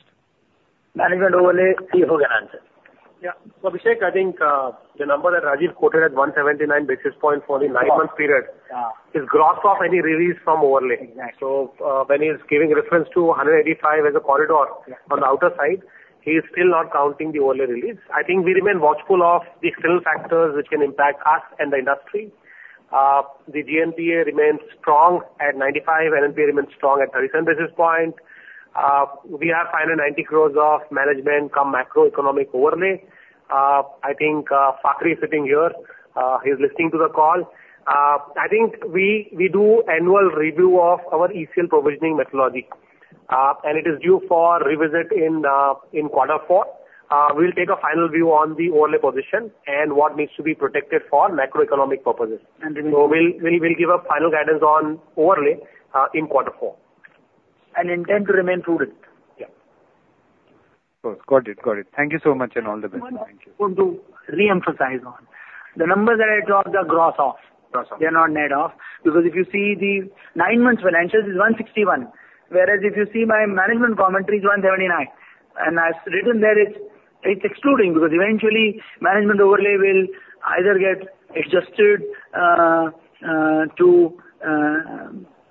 C: Management overlay, CEO can answer.
F: Yeah. So, Abhishek, I think, the number that Rajeev quoted at 179 basis points for the nine-month period-
C: Yeah.
F: - is gross of any release from overlay.
C: Exactly.
F: When he's giving reference to 185 as a corridor-
C: Yeah.
F: On the outer side, he's still not counting the overlay release. I think we remain watchful of the external factors which can impact us and the industry. The GNPA remains strong at 95, NPA remains strong at 37 basis point. We have final 90 crore of management cum macroeconomic overlay. I think, Fakhri is sitting here, he's listening to the call. I think we do annual review of our ECL provisioning methodology, and it is due for revisit in quarter four. We'll take a final view on the overlay position and what needs to be protected for macroeconomic purposes. So we'll give a final guidance on overlay in quarter four.
C: Intend to remain prudent....
E: Of course. Got it, got it. Thank you so much, and all the best. Thank you.
C: Want to reemphasize on the numbers that I talked are gross off.
E: Gross off.
C: They are not net off, because if you see the nine months financials is 161, whereas if you see my management commentary is 179. And as written there, it's excluding because eventually management overlay will either get adjusted,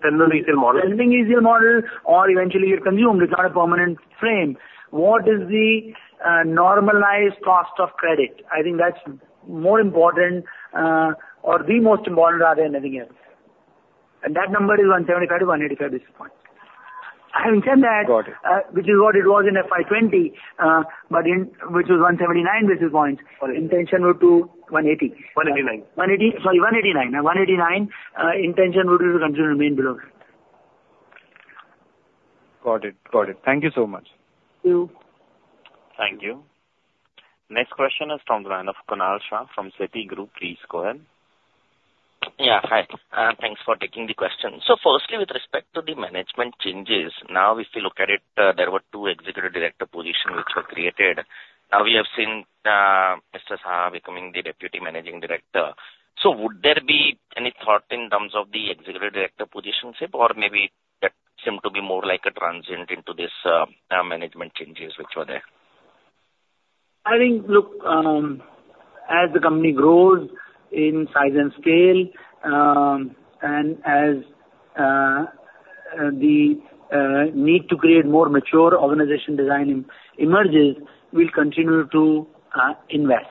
F: Resenting is your model.
C: Resenting is your model or eventually get consumed. It's not a permanent frame. What is the normalized cost of credit? I think that's more important or the most important rather than anything else. And that number is 175-185 basis points. I have said that-
E: Got it.
C: which is what it was in FY 2020, but which was 179 basis points.
E: Got it.
C: Intention were to 180.
F: One eighty-nine.
C: 189... Sorry, 189. Now, 189, intention would continue to remain below.
E: Got it. Got it. Thank you so much.
C: Thank you.
A: Thank you. Next question is from the line of Kunal Shah from Citigroup. Please go ahead.
G: Yeah, hi. Thanks for taking the question. So firstly, with respect to the management changes, now if you look at it, there were two executive director position which were created. Now we have seen, Mr. Saha becoming the Deputy Managing Director. So would there be any thought in terms of the executive director position ship, or maybe that seemed to be more like a transient into this, management changes which were there?
C: I think, look, as the company grows in size and scale, and as the need to create more mature organization design emerges, we'll continue to invest.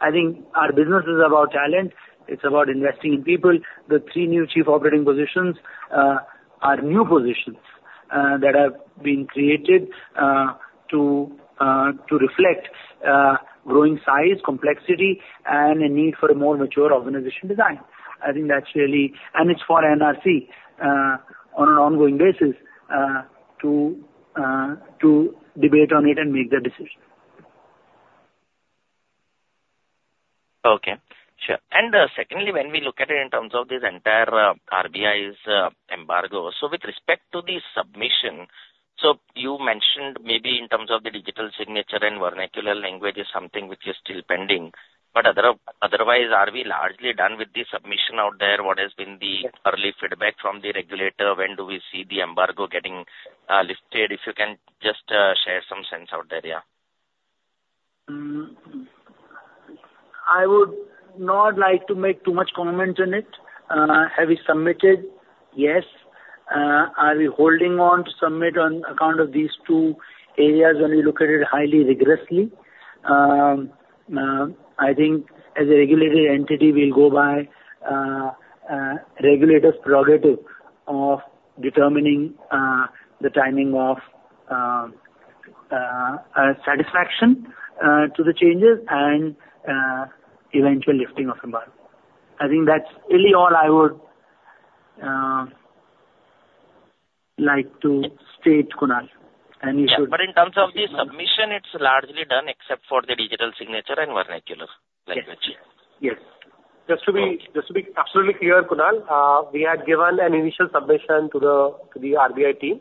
C: I think our business is about talent, it's about investing in people. The three new chief operating positions are new positions that have been created to reflect growing size, complexity, and a need for a more mature organization design. I think that's really... and it's for NRC on an ongoing basis to debate on it and make the decision.
G: Okay, sure. Secondly, when we look at it in terms of this entire RBI's embargo. So, with respect to the submission, you mentioned maybe in terms of the digital signature and vernacular language is something which is still pending, but otherwise, are we largely done with the submission out there? What has been the early feedback from the regulator? When do we see the embargo getting lifted? If you can just share some sense out there, yeah.
C: I would not like to make too much comments on it. Have we submitted? Yes. Are we holding on to submit on account of these two areas when we look at it highly rigorously? I think as a regulated entity, we'll go by, regulators prerogative of determining, the timing of, satisfaction, to the changes and, eventual lifting of embargo. I think that's really all I would, like to state, Kunal, and you should-
G: Yeah, but in terms of the submission, it's largely done except for the digital signature and vernacular language.
C: Yes.
F: Just to be, just to be absolutely clear, Kunal, we had given an initial submission to the, to the RBI team.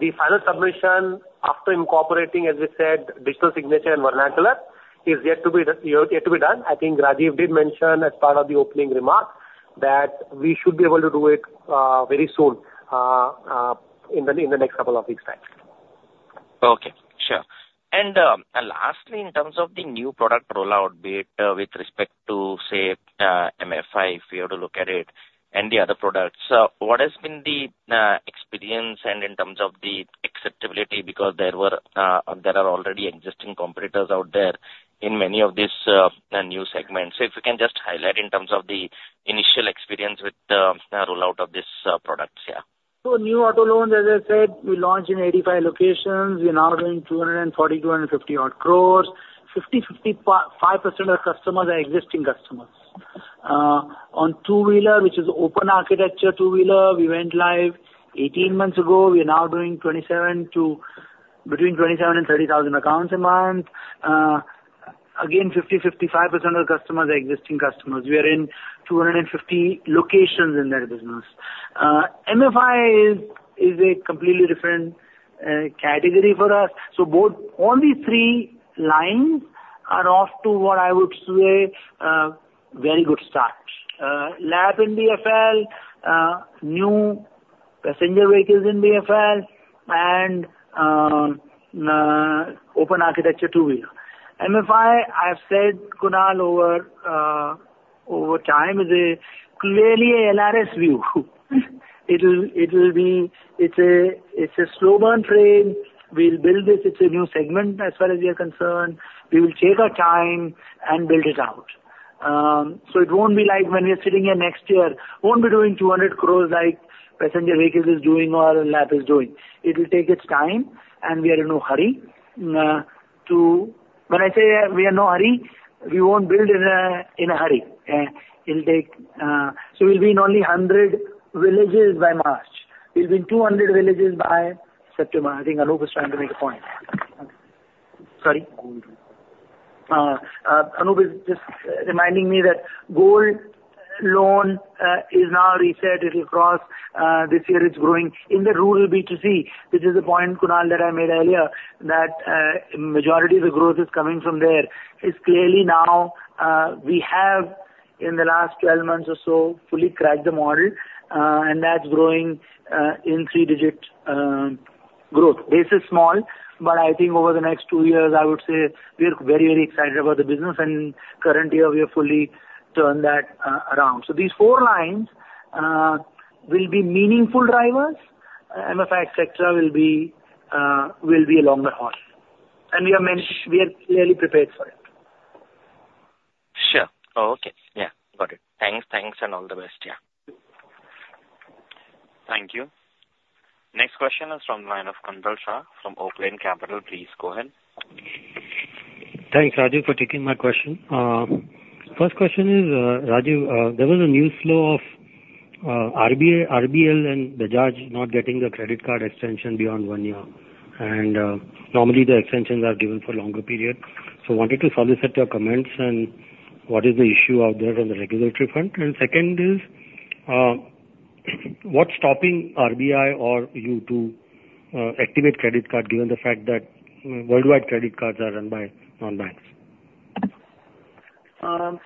F: The final submission after incorporating, as we said, digital signature and vernacular, is yet to be done, yet to be done. I think Rajeev did mention as part of the opening remarks that we should be able to do it, very soon, in the, in the next couple of weeks time.
G: Okay, sure. Lastly, in terms of the new product rollout, be it with respect to, say, MFI, if we have to look at it and the other products, what has been the experience and in terms of the acceptability? Because there were, there are already existing competitors out there in many of these new segments. So if you can just highlight in terms of the initial experience with the rollout of these products, yeah.
C: So new auto loans, as I said, we launched in 85 locations. We are now doing 240-250 crore odd. 50-55% of the customers are existing customers. On two-wheeler, which is open architecture two-wheeler, we went live 18 months ago. We are now doing 27 to between 27 and 30,000 accounts a month. Again, 50-55% of the customers are existing customers. We are in 250 locations in that business. MFI is a completely different category for us. So only three lines are off to what I would say, very good start. LAP in BFL, new passenger vehicles in BFL and open architecture two-wheeler. MFI, I've said, Kunal, over time, is clearly a LRS view. It'll be. It's a slow burn train. We'll build this. It's a new segment as well as we are concerned. We will take our time and build it out. So it won't be like when we are sitting here next year, won't be doing 200 crore like passenger vehicles is doing or LAP is doing. It will take its time, and we are in no hurry to. When I say we are in no hurry, we won't build in a hurry, it'll take. So we'll be in only 100 villages by March. We'll be in 200 villages by September. I think Alok is trying to make a point. Sorry? Anup is just reminding me that gold loan is now reset. It will cross, this year it's growing in the rural B2C. This is a point, Kunal, that I made earlier, that, majority of the growth is coming from there. It's clearly now, we have in the last 12 months or so, fully cracked the model, and that's growing, in three-digit, growth. Base is small, but I think over the next two years, I would say we are very, very excited about the business, and currently we have fully turned that, around. So these four lines, will be meaningful drivers. MFI et cetera will be, will be a longer horse, and we are clearly prepared for it.
G: Sure! Okay. Yeah, got it. Thanks. Thanks, and all the best. Yeah.
A: Thank you. Next question is from the line of Kuntal Shah from Oaklane Capital. Please go ahead.
H: Thanks, Rajeev, for taking my question. First question is, Rajeev, there was a news flow of RBI-RBL and Bajaj not getting the credit card extension beyond one year, and normally the extensions are given for longer period. So wanted to solicit your comments and what is the issue out there on the regulatory front? And second is, what's stopping RBI or you to activate credit card, given the fact that worldwide credit cards are run by non-banks?
C: So Kuntal, I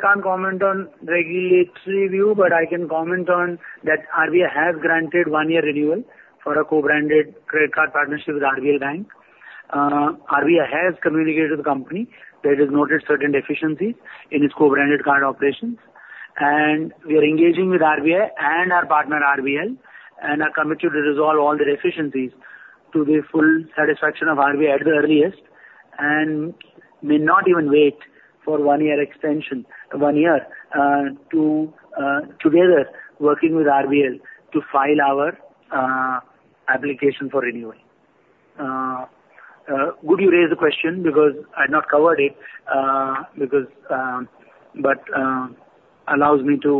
C: can't comment on regulatory view, but I can comment on that RBI has granted one-year renewal for a co-branded credit card partnership with RBL Bank. RBI has communicated with the company that has noted certain deficiencies in its co-branded card operations, and we are engaging with RBI and our partner, RBL, and are committed to resolve all the deficiencies to the full satisfaction of RBI at the earliest, and may not even wait for one year extension, one year, to together working with RBL to file our application for renewal. Good you raised the question because I'd not covered it, but allows me to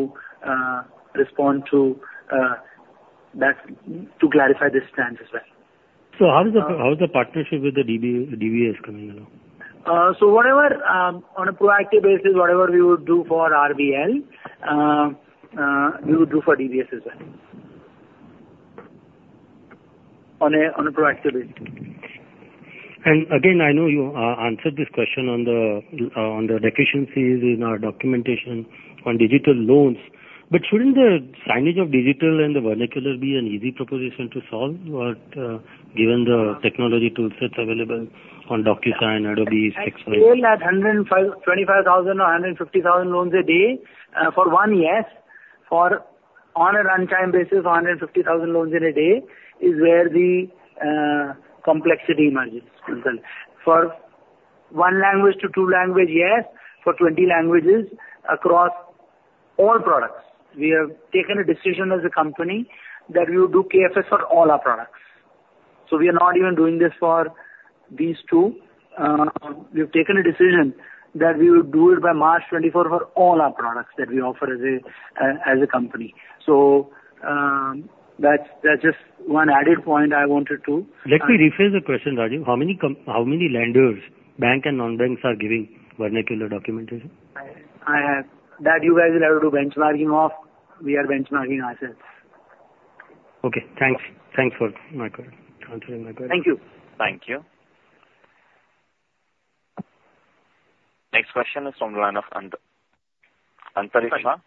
C: respond to that to clarify this stance as well.
H: So how is the partnership with the DBS coming along?
C: So whatever, on a proactive basis, whatever we would do for RBL, we would do for DBS as well. On a proactive basis.
H: Again, I know you answered this question on the deficiencies in our documentation on digital loans, but shouldn't the signing of digital and the vernacular be an easy proposition to solve, given the technology tools that's available on DocuSign, Adobe, et cetera?
C: At scale, at 105--25,000 or 150,000 loans a day, for one year, for on a runtime basis, 150,000 loans in a day, is where the complexity emerges, Kuntal. For one language to two languages, yes, for 20 languages across all products, we have taken a decision as a company that we will do KFS for all our products. So we are not even doing this for these two. We have taken a decision that we will do it by March 2024 for all our products that we offer as a company. So, that's, that's just one added point I wanted to-
H: Let me rephrase the question, Rajeev. How many lenders, bank and non-banks, are giving vernacular documentation?
C: I, that you guys will have to do benchmarking of. We are benchmarking ourselves.
H: Okay, thanks. Thanks for answering my question.
C: Thank you.
A: Thank you. Next question is from the line of Antariksha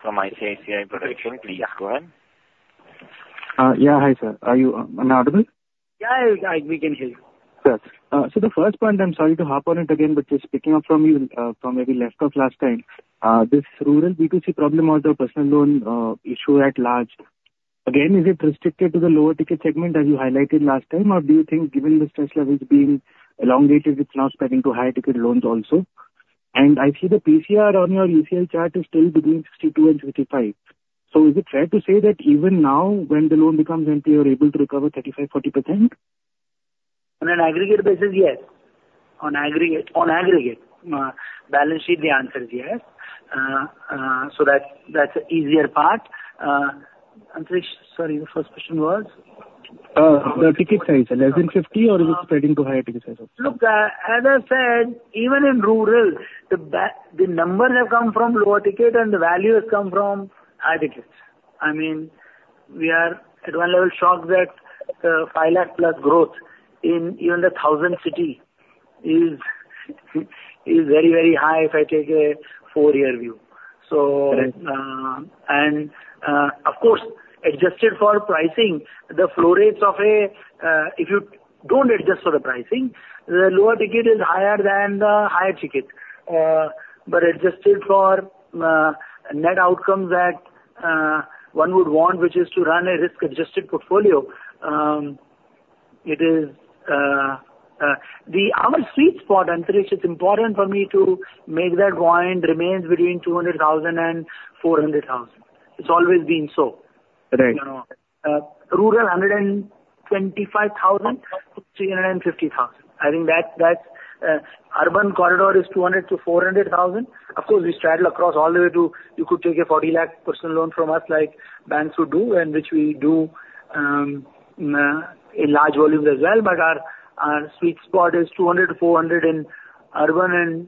A: from ICICI Prudential. Please go ahead.
I: Yeah. Hi, sir. Are you audible?
C: Yeah, yeah, we can hear you.
I: Good. So the first point, I'm sorry to harp on it again, but just picking up from you, from maybe left off last time, this rural B2C problem or the personal loan, issue at large, again, is it restricted to the lower ticket segment as you highlighted last time? Or do you think given the stress levels being elongated, it's now spreading to higher ticket loans also? And I see the PCR on your ECL chart is still between 62 and 65. So is it fair to say that even now, when the loan becomes NP, you're able to recover 35-40%?
C: On an aggregate basis, yes. On aggregate, on aggregate, balance sheet, the answer is yes. So that's, that's the easier part. Antariksh, sorry, the first question was?
I: The ticket size, less than 50, or is it spreading to higher ticket size also?
C: Look, as I said, even in rural, the numbers have come from lower ticket and the value has come from high tickets. I mean, we are at one level shocked that, 5 lakh plus growth in even the thousand city is very, very high if I take a four-year view.
I: Right.
C: Of course, adjusted for pricing, the flow rates of a, if you don't adjust for the pricing, the lower ticket is higher than the higher ticket. But adjusted for net outcomes that one would want, which is to run a risk-adjusted portfolio, it is our sweet spot, Antariksh. It's important for me to make that point, remains between 200,000 and 400,000. It's always been so.
I: Right.
C: Rural, 125,000-350,000. I think that's urban corridor is 200,000-400,000. Of course, we straddle across all the way to, you could take a 40 lakh personal loan from us, like banks would do, and which we do... in large volumes as well, but our sweet spot is 200-400 in urban, and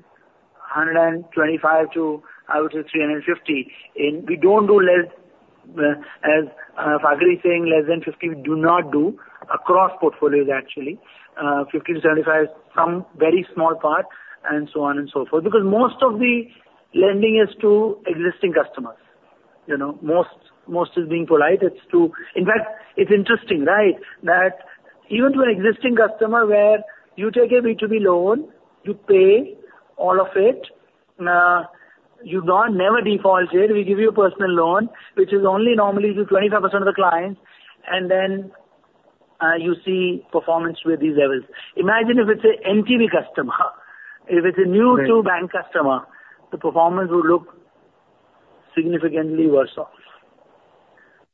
C: 125,000 to, I would say, 350,000. We don't do less, as Fakhari is saying, less than 50, we do not do across portfolios actually. 50-75, some very small part and so on and so forth, because most of the lending is to existing customers. You know, most is being polite, it's to... In fact, it's interesting, right? That even to an existing customer where you take a B2B loan, you pay all of it, you've not never defaulted, we give you a personal loan, which is only normally to 25% of the clients, and then, you see performance with these levels. Imagine if it's an MFI customer. If it's a new-
I: Right
C: to bank customer, the performance would look significantly worse off.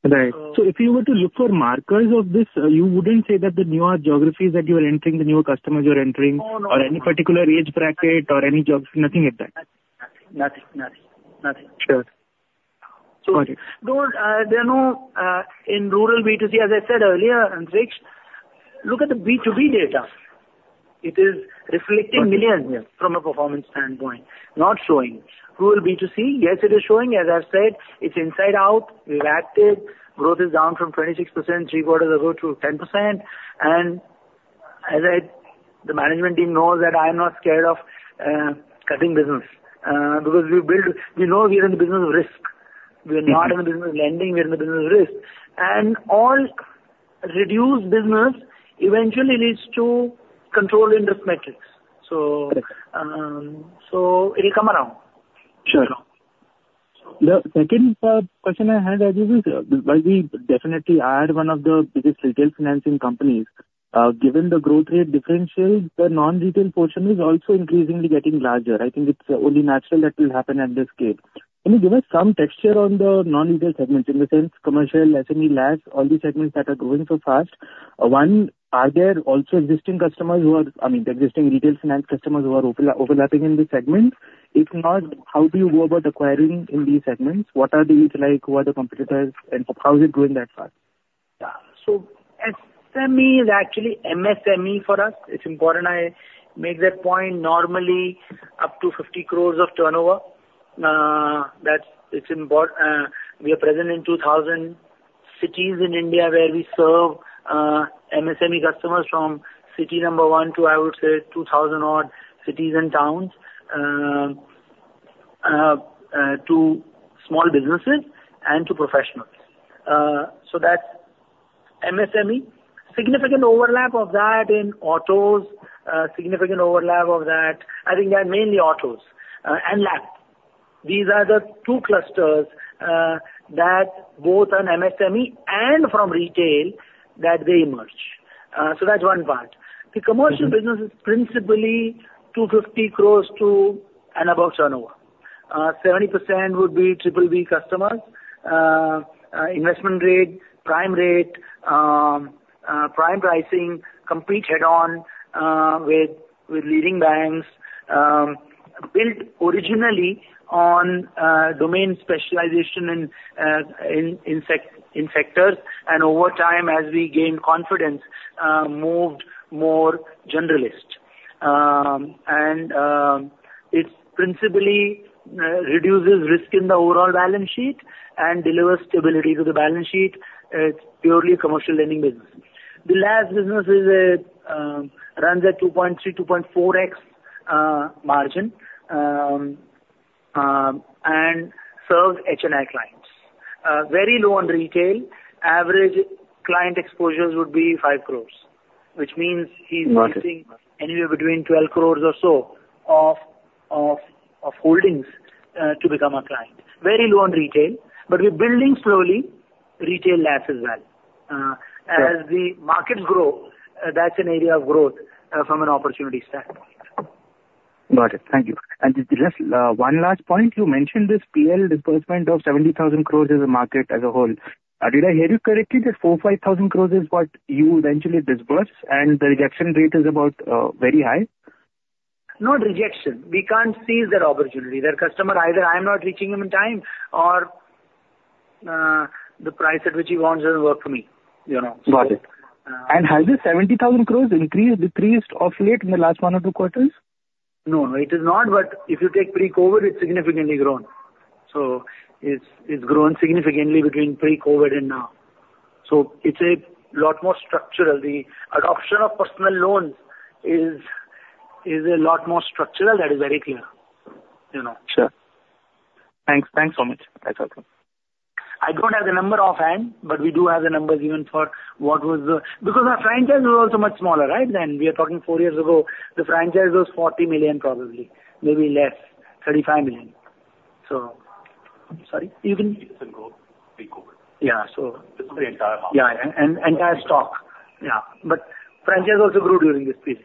I: Right. So if you were to look for markers of this, you wouldn't say that the newer geographies that you are entering, the newer customers you're entering-
C: No, no.
I: or any particular age bracket or any jobs, nothing like that?
C: Nothing. Nothing, nothing.
I: Sure. Okay.
C: There are no in rural B2C, as I said earlier, Antariksh. Look at the B2B data. It is reflecting millions-
I: Got it.
C: - from a performance standpoint, not showing. Rural B2C, yes, it is showing, as I've said, it's inside out, we're active, growth is down from 26% three quarters ago to 10%. And as I... The management team knows that I'm not scared of cutting business, because we know we are in the business of risk.
I: Mm-hmm.
C: We are not in the business of lending, we're in the business of risk. All reduced business eventually leads to control in risk metrics.
I: Right.
C: So, so it'll come around.
I: Sure. The second question I had is, while we definitely are one of the biggest retail financing companies, given the growth rate differential, the non-retail portion is also increasingly getting larger. I think it's only natural that will happen at this scale. Can you give us some texture on the non-retail segment, in the sense, commercial, SME, LAS, all these segments that are growing so fast? One, are there also existing customers who are, I mean, the existing retail finance customers who are overlapping in these segments? If not, how do you go about acquiring in these segments? What are these like? Who are the competitors, and how is it growing that fast?
C: Yeah. So SME is actually MSME for us. It's important I make that point. Normally, up to 50 crore of turnover, that's important. We are present in 2,000 cities in India, where we serve MSME customers from city number 1 to, I would say, 2,000-odd cities and towns, to small businesses and to professionals. So that's MSME. Significant overlap of that in autos, significant overlap of that, I think that mainly autos and LAP. These are the two clusters that both on MSME and from retail, that they merge. So that's one part.
I: Mm-hmm.
C: The commercial business is principally 250 crore and above turnover. 70% would be BBB customers. Investment grade, prime rate, prime pricing, compete head on with leading banks, built originally on domain specialization and in sectors, and over time, as we gain confidence, moved more generalist. It principally reduces risk in the overall balance sheet and delivers stability to the balance sheet. It's purely commercial lending business. The LAS business runs at 2.3-2.4x margin and serves HNI clients. Very low on retail. Average client exposures would be 5 crore, which means he's-
I: Got it...
C: investing anywhere between 12 crore or so of holdings to become a client. Very low on retail, but we're building slowly, retail as well.
I: Sure.
C: As the markets grow, that's an area of growth from an opportunity standpoint.
I: Got it. Thank you. And just one last point, you mentioned this PL disbursement of 70,000 crore is a market as a whole. Did I hear you correctly, that 4,000-5,000 crore is what you eventually disburse, and the rejection rate is about very high?
C: Not rejection. We can't seize that opportunity. Their customer, either I'm not reaching them in time or, the price at which he wants doesn't work for me, you know?
I: Got it.
C: Uh-
I: Has the 70,000 crore increased, decreased of late in the last one or two quarters?
C: No, it is not, but if you take pre-COVID, it's significantly grown. So it's, it's grown significantly between pre-COVID and now. So it's a lot more structural. The adoption of personal loans is, is a lot more structural, that is very clear, you know?
F: Sure.
I: Thanks. Thanks so much.
F: That's okay.
C: I don't have the number offhand, but we do have the numbers even for what was the... Because our franchise was also much smaller, right? Than we are talking four years ago, the franchise was 40 million, probably, maybe less, 35 million. So, sorry, even-
F: Since then grew pre-COVID.
C: Yeah, so-
F: This is the entire market.
C: Yeah, and entire stock. Yeah, but franchise also grew during this period.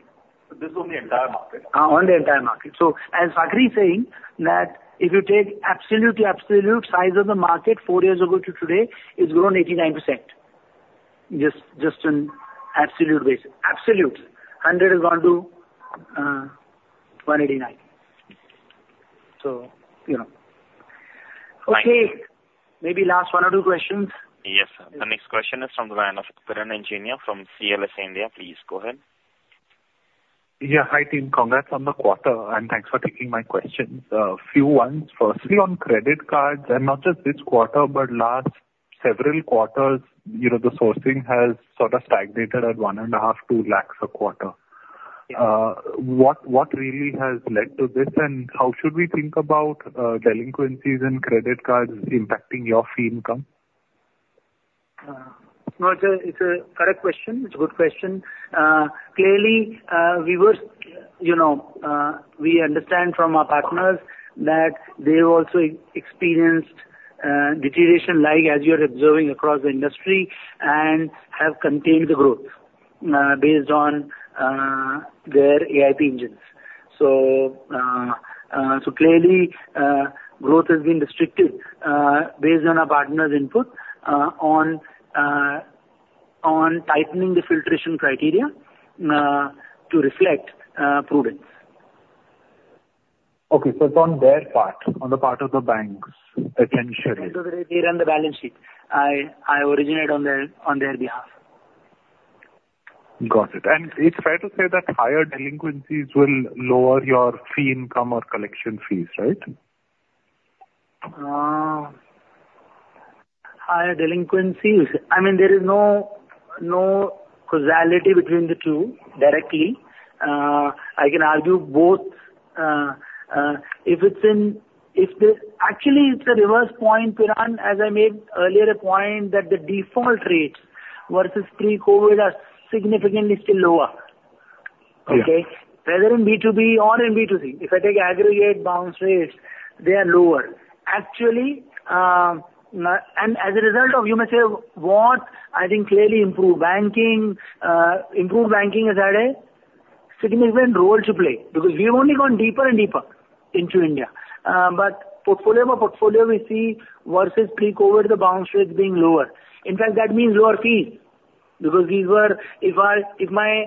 I: This is on the entire market?
C: On the entire market. So as Fakhari is saying, that if you take absolute to absolute size of the market four years ago to today, it's grown 89%.
I: Just, just in absolute basic,
C: absolute. 100 has gone to 189.... So, yeah. Okay, maybe last one or two questions.
A: Yes, sir. The next question is from the line of Piran Engineer from CLSA India. Please go ahead.
J: Yeah, hi, team. Congrats on the quarter, and thanks for taking my questions. A few ones. Firstly, on credit cards, and not just this quarter, but last several quarters, you know, the sourcing has sort of stagnated at 1.5-2 lakhs a quarter.
C: Yeah.
J: What, what really has led to this, and how should we think about delinquencies and credit cards impacting your fee income?
C: No, it's a correct question. It's a good question. Clearly, we were, you know, we understand from our partners that they've also experienced deterioration, like as you're observing across the industry, and have contained the growth, based on their AIP engines. So, so clearly, growth has been restricted, based on our partners' input, on tightening the filtration criteria, to reflect prudence.
J: Okay, so it's on their part, on the part of the banks, potentially?
C: They run the balance sheet. I originate on their behalf.
J: Got it. It's fair to say that higher delinquencies will lower your fee income or collection fees, right?
C: Higher delinquencies? I mean, there is no, no causality between the two directly. I can argue both. If the... Actually, it's a reverse point, Piran, as I made earlier, a point that the default rates versus pre-COVID are significantly still lower.
J: Yeah.
C: Okay? Whether in B2B or in B2C, if I take aggregate bounce rates, they are lower. Actually, and as a result of, you may say, what? I think clearly improved banking, improved banking has had a significant role to play, because we've only gone deeper and deeper into India. But portfolio by portfolio we see versus pre-COVID, the bounce rates being lower. In fact, that means lower fees, because these were... If I, if my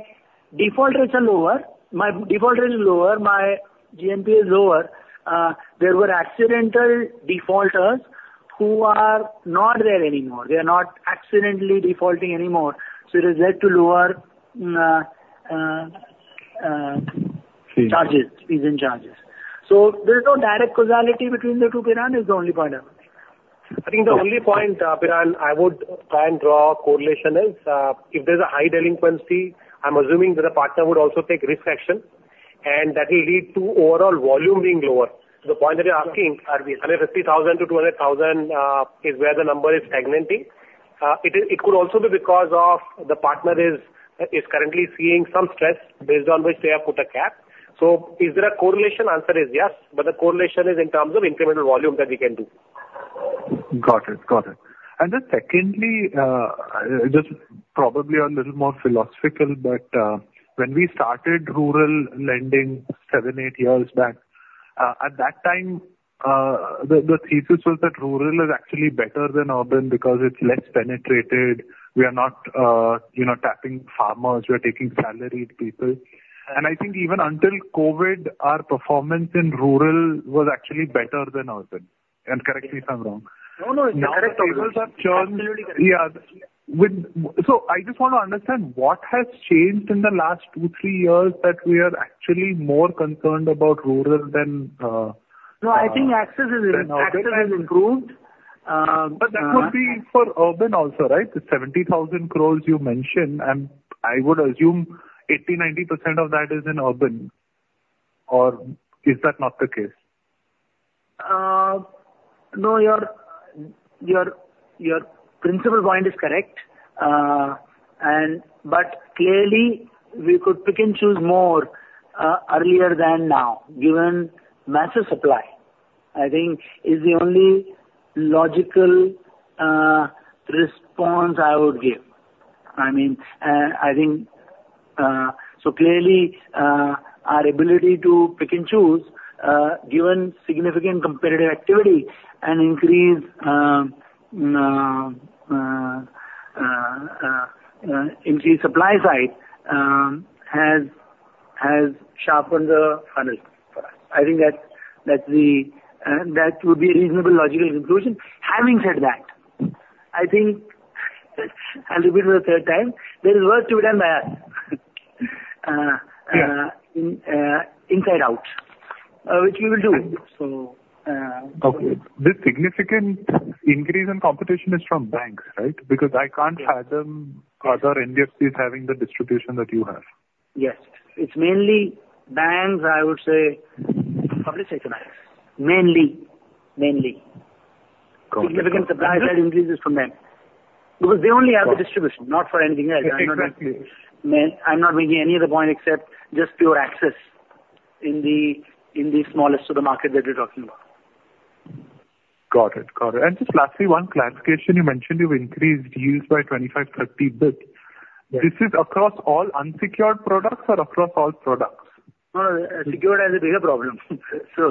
C: default rates are lower, my default rate is lower, my GNPA is lower, there were accidental defaulters who are not there anymore. They are not accidentally defaulting anymore, so it has led to lower,
J: Fee
C: charges, fees and charges. So there's no direct causality between the two, Piran, is the only point I'm making.
F: I think the only point, Piran, I would try and draw a correlation is, if there's a high delinquency, I'm assuming that the partner would also take risk action, and that will lead to overall volume being lower. To the point that you're asking, are we 150,000-200,000, is where the number is stagnating. It is, it could also be because of the partner is currently seeing some stress, based on which they have put a cap. So is there a correlation? Answer is yes, but the correlation is in terms of incremental volume that we can do.
J: Got it. Got it. And then secondly, just probably a little more philosophical, but, when we started rural lending 7, 8 years back, at that time, the thesis was that rural is actually better than urban because it's less penetrated. We are not, you know, tapping farmers, we are taking salaried people. And I think even until COVID, our performance in rural was actually better than urban, and correct me if I'm wrong.
C: No, no, it's correct.
J: Now the tables have turned.
C: Absolutely correct.
J: Yeah. So I just want to understand, what has changed in the last two, three years, that we are actually more concerned about rural than urban-
C: No, I think access has improved.
J: But that would be for urban also, right? The 70,000 crore you mentioned, and I would assume 80%-90% of that is in urban, or is that not the case?
C: No, your principal point is correct. But clearly we could pick and choose more earlier than now, given massive supply. I think is the only logical response I would give. I mean, I think, so clearly, our ability to pick and choose, given significant competitive activity and increase supply side, has sharpened the funnel. I think that, that's the, that would be a reasonable logical conclusion. Having said that, I think I'll repeat it a third time, there is work to be done there.
J: Yeah...
C: in inside out, which we will do. So,
J: Okay. This significant increase in competition is from banks, right? Because I can't fathom other NBFCs having the distribution that you have.
C: Yes. It's mainly banks, I would say. How do I say it? Mainly. Mainly.
J: Got it.
C: Significant supply side increase is from banks, because they only have the distribution, not for anything else.
J: Exactly.
C: I'm not making any other point except just pure access in the smallest of the market that we're talking about.
J: Got it, got it. And just lastly, one clarification: you mentioned you've increased deals by 25-30 bit.
C: Yeah.
J: This is across all unsecured products or across all products?
C: No, secured has a bigger problem. So,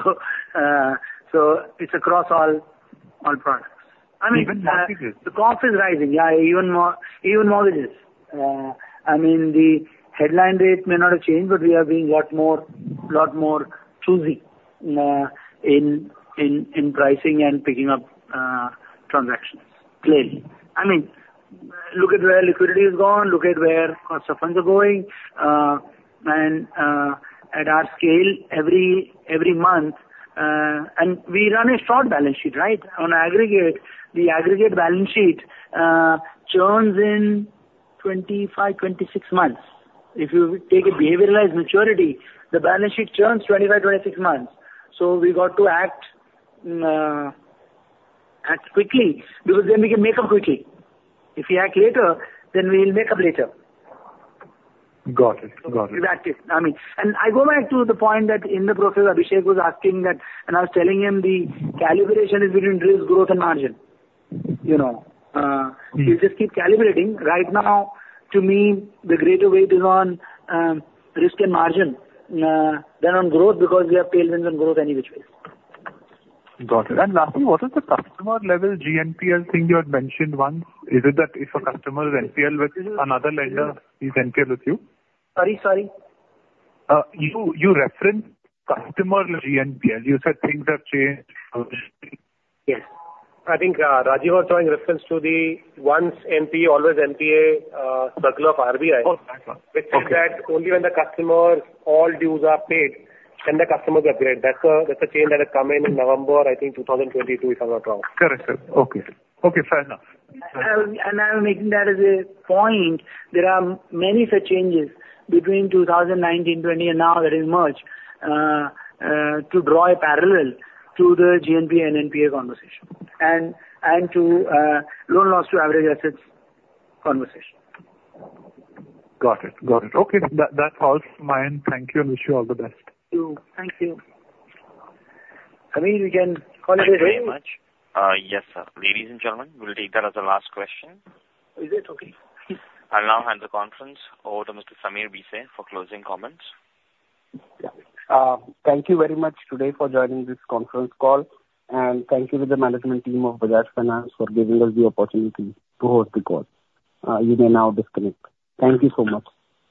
C: so it's across all, all products. I mean, the cost is rising. Yeah, even more, even more it is. I mean, the headline rate may not have changed, but we are being a lot more, lot more choosy in pricing and picking up transactions. Clearly. I mean, look at where liquidity is gone, look at where cost of funds are going, and at our scale, every, every month, and we run a short balance sheet, right? On aggregate, the aggregate balance sheet churns in 25, 26 months. If you take a behavioralized maturity, the balance sheet churns 25, 26 months. So we've got to act quickly, because then we can make up quickly. If we act later, then we'll make up later.
J: Got it. Got it.
C: Exactly. I mean, and I go back to the point that in the process, Abhishek was asking that, and I was telling him the calibration is between risk, growth, and margin. You know, you just keep calibrating. Right now, to me, the greater weight is on, risk and margin, than on growth, because we have tailwinds on growth any which way.
J: Got it. And lastly, what is the customer level GNPL thing you had mentioned once? Is it that if a customer NPL with another lender, he's NPL with you?
C: Sorry, sorry.
J: You referenced customer GNPA. You said things have changed.
C: Yes.
F: I think Rajeev was referring to the once NPA, always NPA circular of RBI.
J: Oh, right.
F: Which says that only when the customer all dues are paid, then the customer is upgraded. That's a change that has come in November, I think, 2022, if I'm not wrong.
J: Correct, sir. Okay. Okay, fair enough.
C: I'm making that as a point. There are many such changes between 2019, 2020, and now, that is March, to draw a parallel to the GNPL and NPA conversation, and to loan loss to average assets conversation.
J: Got it. Got it. Okay, that, that's all my end. Thank you, and wish you all the best.
C: Thank you. Thank you. Camille, we can call it a day.
A: Thank you very much. Yes, sir. Ladies and gentlemen, we'll take that as the last question.
C: Is it? Okay.
A: I'll now hand the conference over to Mr. Sameer Bhise for closing comments.
B: Yeah. Thank you very much today for joining this conference call, and thank you to the management team of Bajaj Finance for giving us the opportunity to host the call. You may now disconnect. Thank you so much.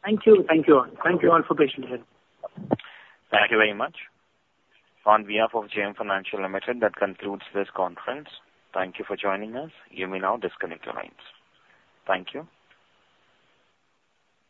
C: Thank you. Thank you all. Thank you all for participating.
A: Thank you very much. On behalf of JM Financial Limited, that concludes this conference. Thank you for joining us. You may now disconnect your lines. Thank you.